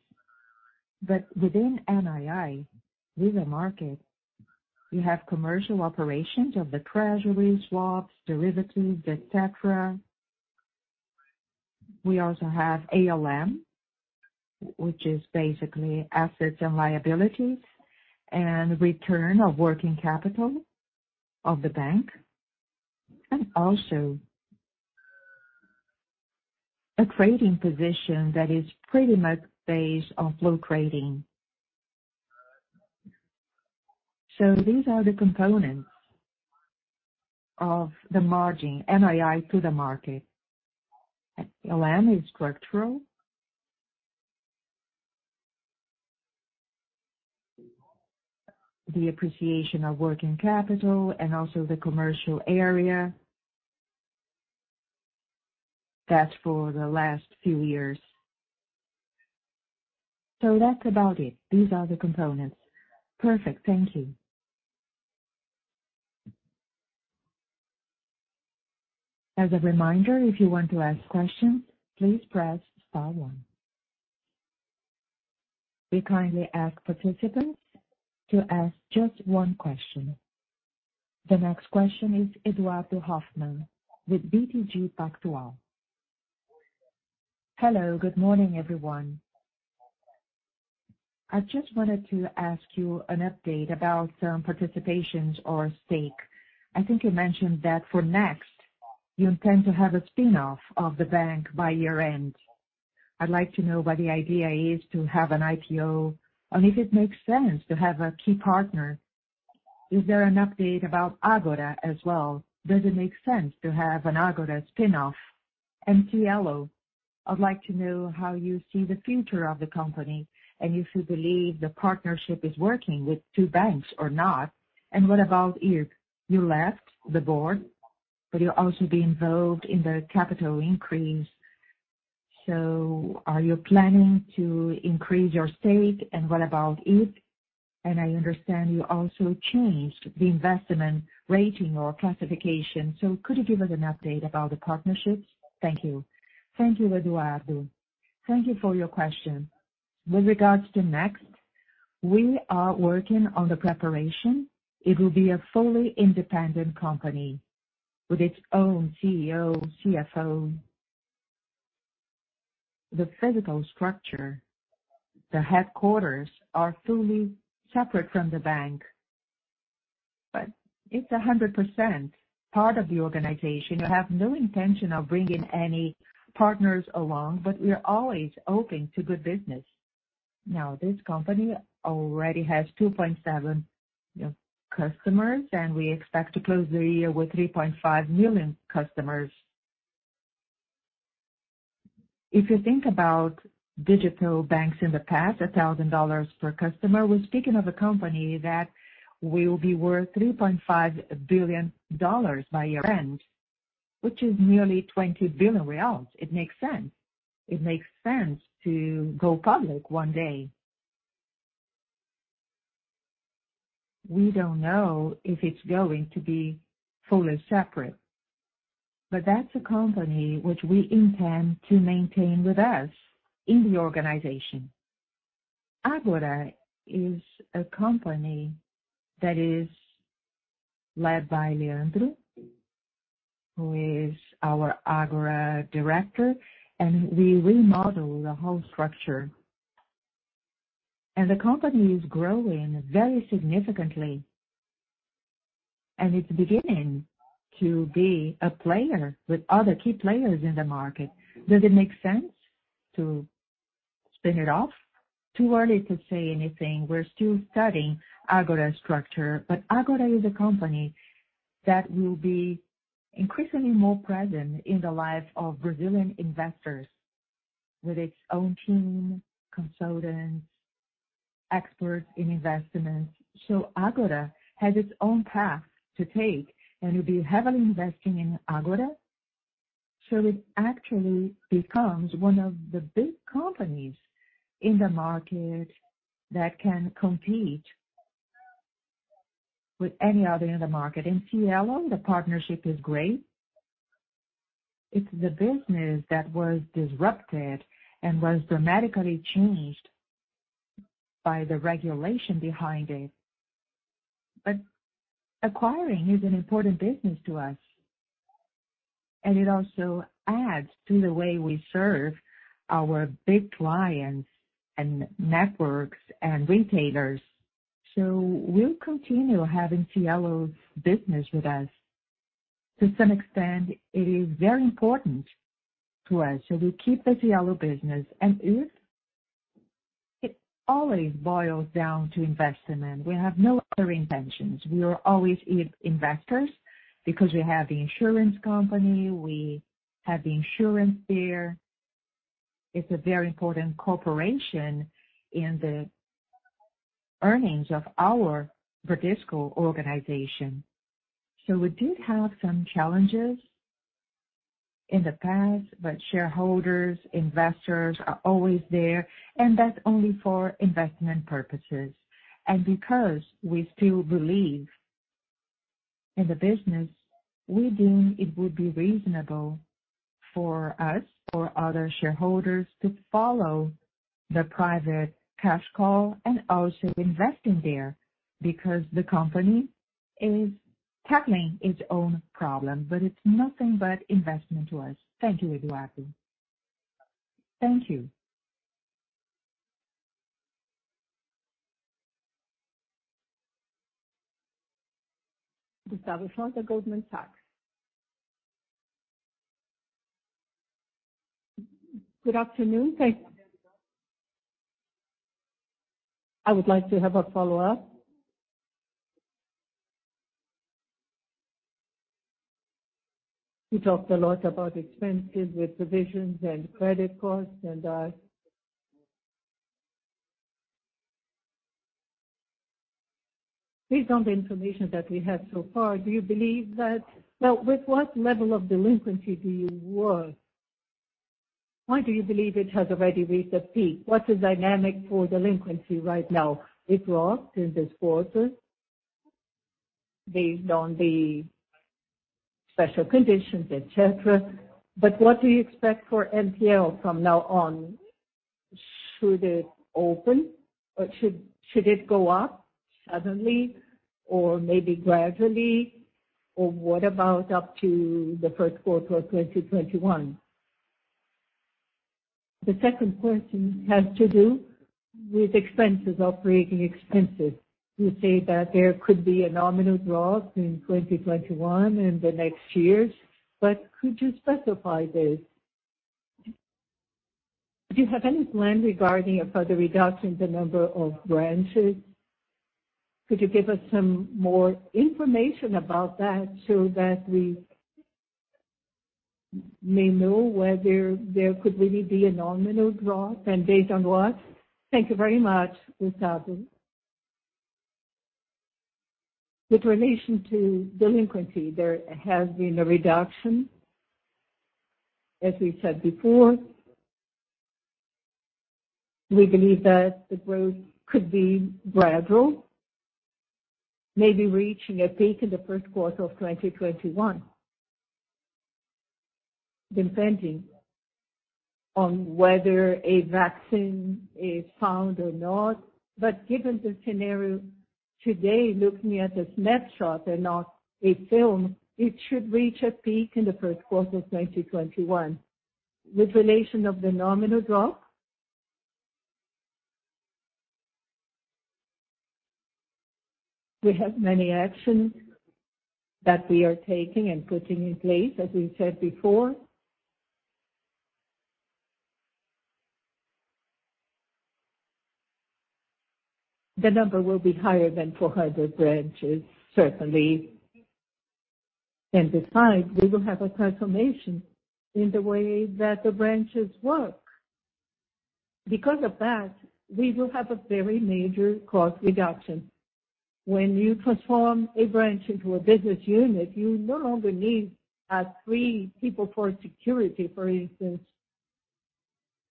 but within NII, with the market, we have commercial operations of the Treasury swaps, derivatives, et cetera. We also have ALM, which is basically assets and liabilities and return of working capital of the bank, and also a trading position that is pretty much based on flow trading. These are the components of the margin, NII to the market. ALM is structural. The appreciation of working capital and also the commercial area. That's for the last few years. That's about it. These are the components. Perfect. Thank you. As a reminder, if you want to ask questions, please press star one. We kindly ask participants to ask just one question. The next question is Eduardo Rosman with BTG Pactual. Hello. Good morning, everyone. I just wanted to ask you an update about participations or stake. I think you mentioned that for Next, you intend to have a spin-off of the bank by year-end. I'd like to know what the idea is to have an IPO, and if it makes sense to have a key partner. Is there an update about Ágora as well? Does it make sense to have an Ágora spin-off? Cielo, I'd like to know how you see the future of the company and if you believe the partnership is working with two banks or not. What about IRB? You left the board, but you'll also be involved in the capital increase. Are you planning to increase your stake, and what about it? I understand you also changed the investment rating or classification. Could you give us an update about the partnerships? Thank you. Thank you, Eduardo. Thank you for your question. With regards to Next, we are working on the preparation. It will be a fully independent company with its own CEO, CFO. The physical structure, the headquarters are fully separate from the bank, but it's 100% part of the organization. We have no intention of bringing any partners along, but we are always open to good business. This company already has 2.7 million customers, and we expect to close the year with 3.5 million customers. If you think about digital banks in the past, BRL 1,000 per customer, we're speaking of a company that will be worth BRL 3.5 billion by year-end, which is nearly 20 billion reais. It makes sense. It makes sense to go public one day. We don't know if it's going to be fully separate, but that's a company which we intend to maintain with us in the organization. Ágora is a company that is led by Leandro, who is our Ágora director, and we remodeled the whole structure. The company is growing very significantly, and it's beginning to be a player with other key players in the market. Does it make sense to spin it off? Too early to say anything. We're still studying Ágora's structure. Ágora is a company that will be increasingly more present in the lives of Brazilian investors with its own team, consultants, experts in investments. Ágora has its own path to take and we'll be heavily investing in Ágora so it actually becomes one of the big companies in the market that can compete with any other in the market. In Cielo, the partnership is great. It's the business that was disrupted and was dramatically changed by the regulation behind it. Acquiring is an important business to us, and it also adds to the way we serve our big clients and networks and retailers. We'll continue having Cielo's business with us. To some extent, it is very important to us, so we keep the Cielo business. If it always boils down to investment, we have no other intentions. We are always investors because we have the insurance company. We have the insurance there. It's a very important corporation in the earnings of our Bradesco organization. We did have some challenges in the past, but shareholders, investors are always there, and that's only for investment purposes. Because we still believe in the business, we deem it would be reasonable for us or other shareholders to follow the private cash call and also invest in there because the company is tackling its own problem, but it's nothing but investment to us. Thank you, Eduardo. Thank you. Gustavo Schroden, at Goldman Sachs. Good afternoon. Thank you. I would like to have a follow-up. You talked a lot about expenses with provisions and credit costs and that. Based on the information that we have so far, with what level of delinquency do you work? Why do you believe it has already reached a peak? What's the dynamic for delinquency right now? It dropped in this quarter based on the special conditions, et cetera. What do you expect for NPL from now on? Should it open or should it go up suddenly or maybe gradually? What about up to the first quarter of 2021? The second question has to do with expenses, operating expenses. You say that there could be a nominal drop in 2021 and the next years, but could you specify this? Do you have any plan regarding a further reduction in the number of branches? Could you give us some more information about that so that we may know whether there could really be a nominal drop, and based on what? Thank you very much, Gustavo. With relation to delinquency, there has been a reduction. As we said before, we believe that the growth could be gradual, maybe reaching a peak in the first quarter of 2021, depending on whether a vaccine is found or not. Given the scenario today, looking at a snapshot and not a film, it should reach a peak in the first quarter of 2021. With relation to the nominal drop, we have many actions that we are taking and putting in place, as we said before. The number will be higher than 400 branches, certainly. Besides, we will have a transformation in the way that the branches work. Because of that, we will have a very major cost reduction. When you transform a branch into a business unit, you no longer need three people for security, for instance,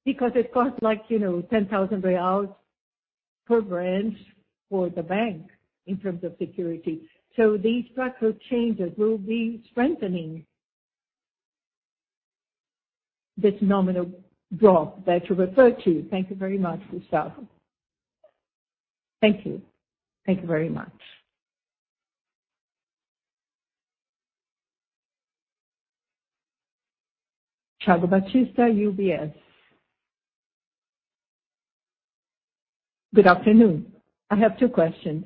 because it costs 10,000 reais per branch for the bank in terms of security. These structural changes will be strengthening this nominal drop that you referred to. Thank you very much, Gustavo. Thank you. Thank you very much. Thiago Batista, UBS. Good afternoon. I have two questions.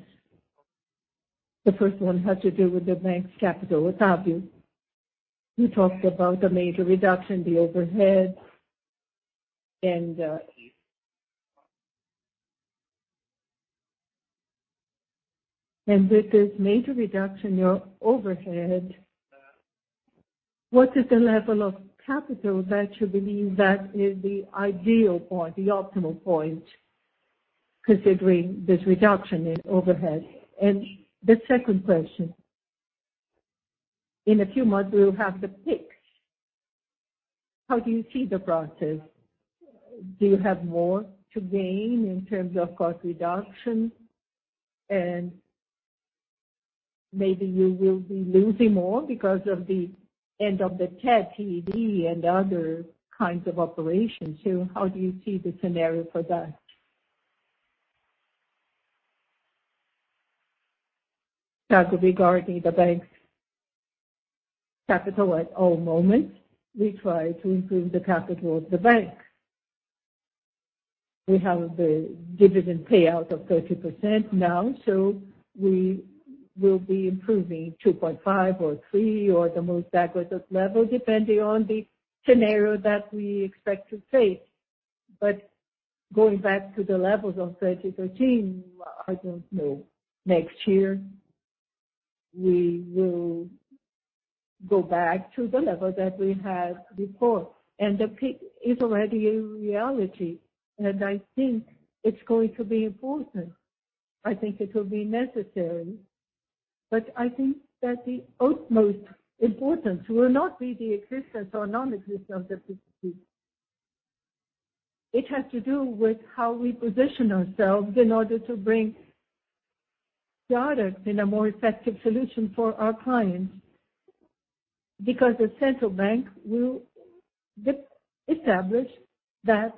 The first one has to do with the bank's capital, Octavio. You talked about a major reduction in the overhead. With this major reduction in your overhead, what is the level of capital that you believe that is the ideal point, the optimal point, considering this reduction in overhead? The second question, in a few months, we will have the Pix. How do you see the process? Do you have more to gain in terms of cost reduction? Maybe you will be losing more because of the end of the TED and other kinds of operations. How do you see the scenario for that? Thiago, regarding the bank's capital, at all moments, we try to improve the capital of the bank. We have the dividend payout of 30% now, so we will be improving 2.5 or 3 or the most adequate level, depending on the scenario that we expect to face. Going back to the levels of 2013, I don't know. Next year, we will go back to the level that we had before. The Pix is already a reality, and I think it's going to be important. I think it will be necessary. I think that the utmost importance will not be the existence or non-existence of the Pix. It has to do with how we position ourselves in order to bring the product in a more effective solution for our clients. The central bank will establish that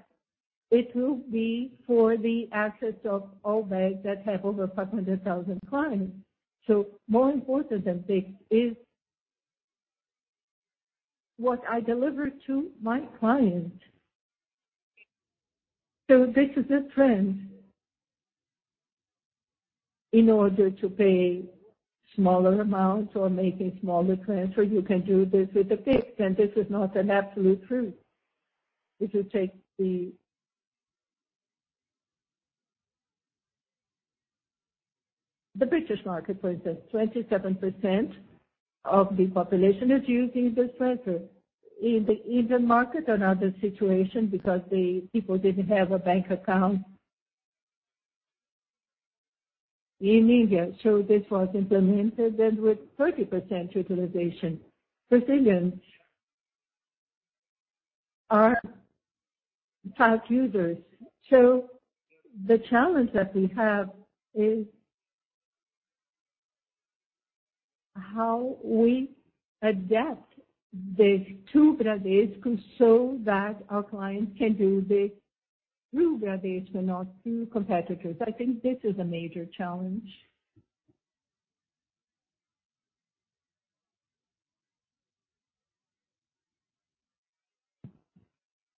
it will be for the access of all banks that have over 500,000 clients. More important than Pix is what I deliver to my client. This is a trend. In order to pay smaller amounts or making smaller transfers, you can do this with the Pix, and this is not an absolute truth. If you take the British market, for instance, 27% of the population is using this method. In the Indian market, another situation, because the people didn't have a bank account in India, so this was implemented and with 30% utilization. Brazilians are top users. The challenge that we have is how we adapt this to Bradesco so that our clients can do this through Bradesco, not through competitors. I think this is a major challenge.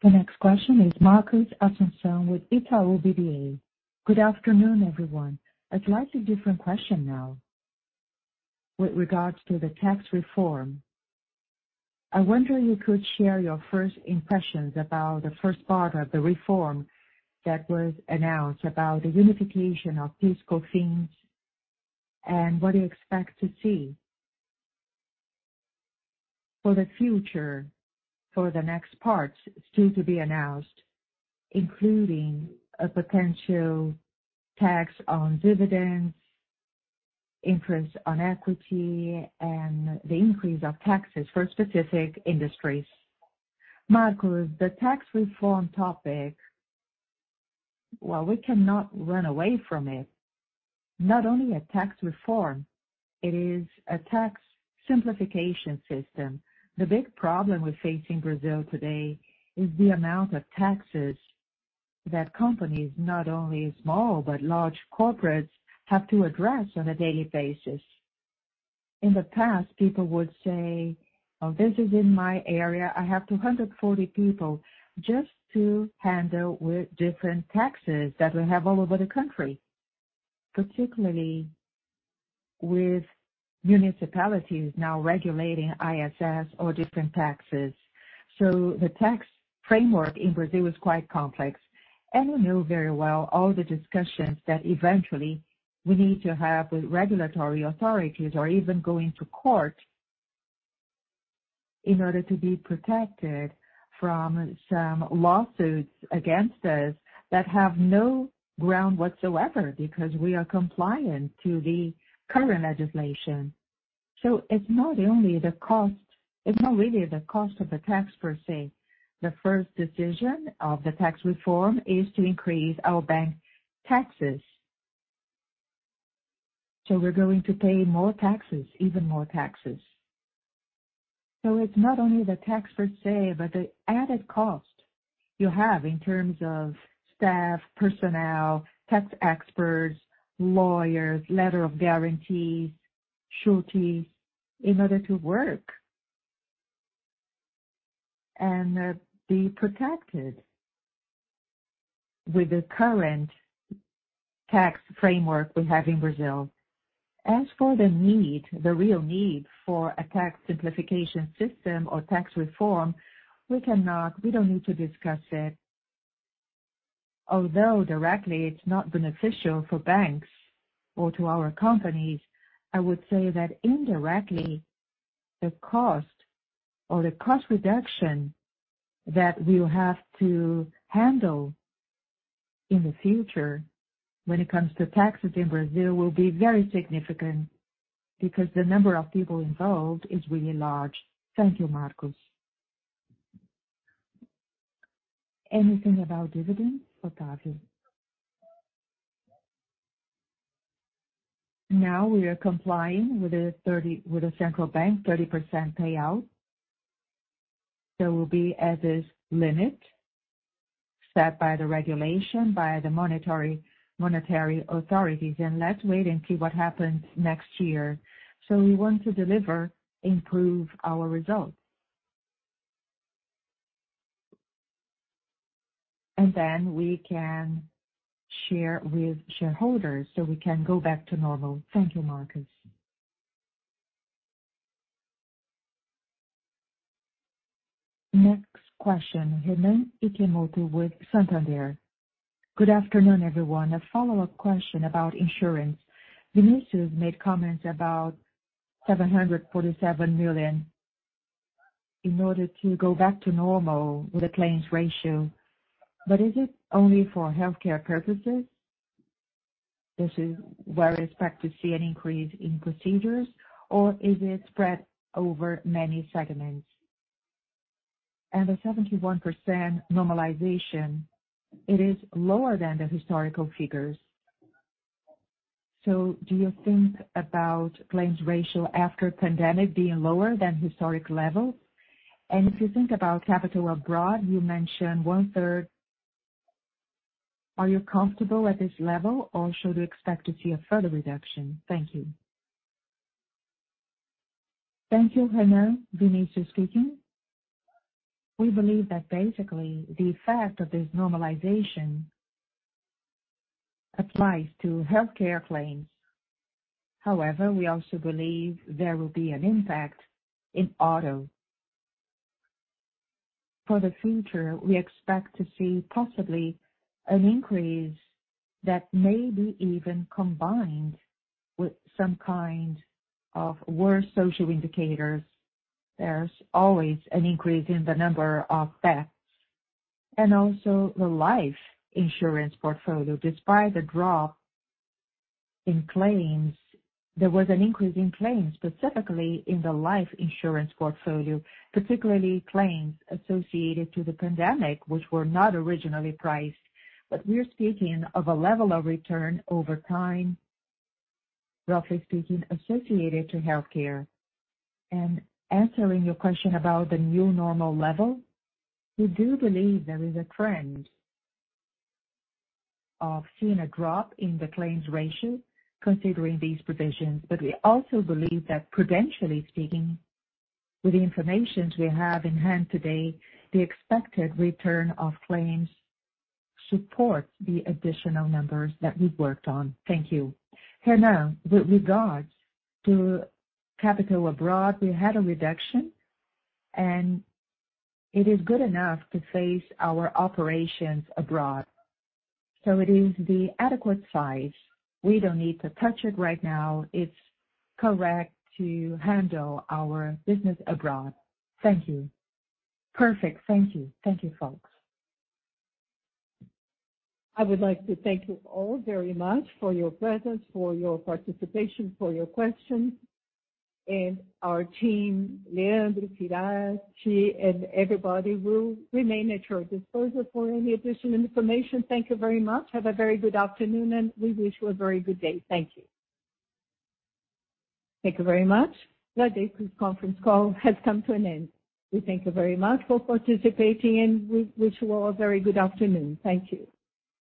The next question is Marcos Assumpção with Itaú BBA. Good afternoon, everyone. A slightly different question now. With regards to the tax reform, I wonder you could share your first impressions about the first part of the reform that was announced about the unification of fiscal things. What do you expect to see for the future, for the next parts still to be announced, including a potential tax on dividends, interest on equity, and the increase of taxes for specific industries. Marcos, the tax reform topic, well, we cannot run away from it. Not only a tax reform, it is a tax simplification system. The big problem we face in Brazil today is the amount of taxes that companies, not only small but large corporates, have to address on a daily basis. In the past, people would say, "This is in my area. I have 240 people just to handle with different taxes that we have all over the country. Particularly with municipalities now regulating ISS or different taxes. The tax framework in Brazil is quite complex, and we know very well all the discussions that eventually we need to have with regulatory authorities or even going to court in order to be protected from some lawsuits against us that have no ground whatsoever because we are compliant to the current legislation. It's not really the cost of the tax per se. The first decision of the tax reform is to increase our bank taxes. We're going to pay more taxes, even more taxes. It's not only the tax per se, but the added cost you have in terms of staff, personnel, tax experts, lawyers, letter of guarantees, sureties in order to work and be protected with the current tax framework we have in Brazil. As for the real need for a tax simplification system or tax reform, we don't need to discuss it. Directly it's not beneficial for banks or to our companies, I would say that indirectly the cost or the cost reduction that we'll have to handle in the future when it comes to taxes in Brazil will be very significant because the number of people involved is really large. Thank you, Marcos. Anything about dividends for Octavio? Now we are complying with the Central Bank 30% payout. There will be as is limit set by the regulation by the monetary authorities. Let's wait and see what happens next year. We want to deliver, improve our results. We can share with shareholders so we can go back to normal. Thank you, Marcos. Next question, with Santander. Good afternoon, everyone. A follow-up question about insurance. Vinicius made comments about 747 million in order to go back to normal with the claims ratio. Is it only for healthcare purposes? This is where we expect to see an increase in procedures or is it spread over many segments? The 71% normalization, it is lower than the historical figures. Do you think about claims ratio after pandemic being lower than historic level? If you think about capital abroad, you mentioned one-third. Are you comfortable at this level or should we expect to see a further reduction? Thank you. Thank you, [Hernan]. Vinicius speaking. We believe that the effect of this normalization applies to healthcare claims. We also believe there will be an impact in auto. For the future, we expect to see possibly an increase that may be even combined with some kind of worse social indicators. There's always an increase in the number of deaths. Also the life insurance portfolio, despite the drop in claims, there was an increase in claims, specifically in the life insurance portfolio, particularly claims associated to the pandemic, which were not originally priced. We're speaking of a level of return over time, associated to healthcare. Answering your question about the new normal level, we do believe there is a trend of seeing a drop in the claims ratio considering these provisions. We also believe that prudentially speaking, with the information we have in hand today, the expected return of claims supports the additional numbers that we've worked on. Thank you. [Hernan], with regards to capital abroad, we had a reduction, and it is good enough to face our operations abroad. It is the adequate size. We don't need to touch it right now. It's correct to handle our business abroad. Thank you. Perfect. Thank you. Thank you, folks. I would like to thank you all very much for your presence, for your participation, for your questions. Our team, Leandro, Firetti, and everybody will remain at your disposal for any additional information. Thank you very much. Have a very good afternoon, and we wish you a very good day. Thank you. Thank you very much. The Bradesco conference call has come to an end. We thank you very much for participating, and we wish you all a very good afternoon. Thank you.